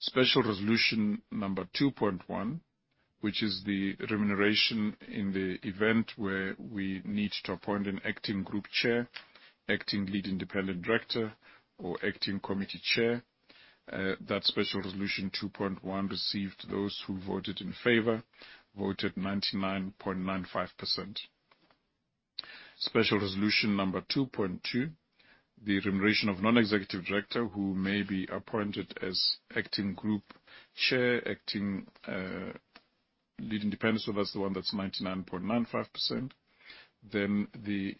Special resolution number 2.1, which is the remuneration in the event where we need to appoint an acting group chair, acting lead independent director, or acting committee chair. That special resolution 2.1 received those who voted in favor, voted 99.95%. Special resolution number 2.2, the remuneration of non-executive director who may be appointed as acting group chair, acting Lead independent, so that's the one that's 99.95%. The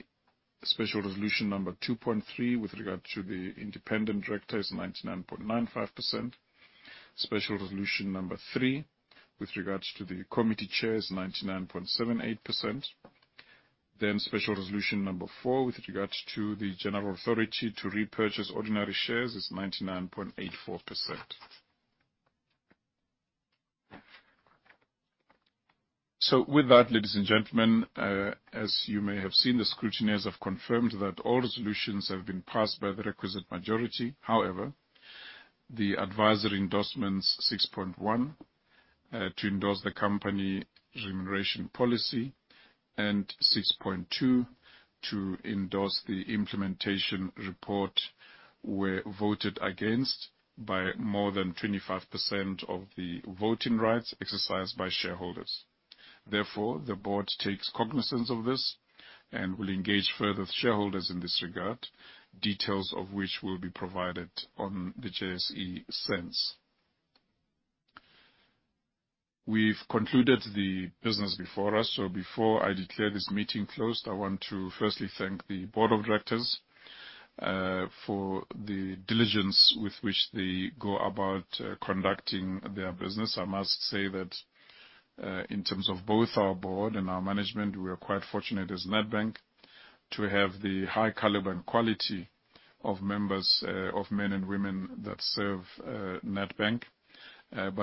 special resolution number 2.3 with regard to the independent director is 99.95%. Special resolution number three with regards to the committee chair is 99.78%. Special resolution number four with regards to the general authority to repurchase ordinary shares is 99.84%. With that, ladies and gentlemen, as you may have seen, the scrutineers have confirmed that all resolutions have been passed by the requisite majority. However, the advisory endorsements 6.1, to endorse the company remuneration policy, and 6.2, to endorse the implementation report, were voted against by more than 25% of the voting rights exercised by shareholders. Therefore, the board takes cognizance of this and will engage further with shareholders in this regard, details of which will be provided on the JSE SENS. We've concluded the business before us, before I declare this meeting closed, I want to firstly thank the board of directors for the diligence with which they go about conducting their business. I must say that in terms of both our board and our management, we are quite fortunate as Nedbank to have the high caliber and quality of members, of men and women that serve Nedbank.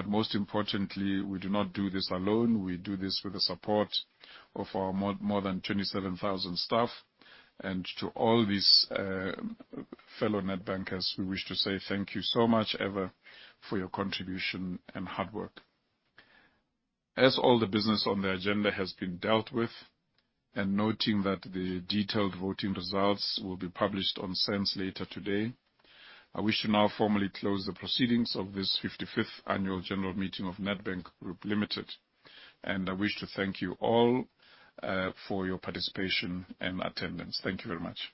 Most importantly, we do not do this alone. We do this with the support of our more than 27,000 staff. To all these fellow Nedbankers, we wish to say thank you so much ever for your contribution and hard work. As all the business on the agenda has been dealt with, noting that the detailed voting results will be published on SENS later today, I wish to now formally close the proceedings of this 55th annual general meeting of Nedbank Group Limited. I wish to thank you all for your participation and attendance. Thank you very much.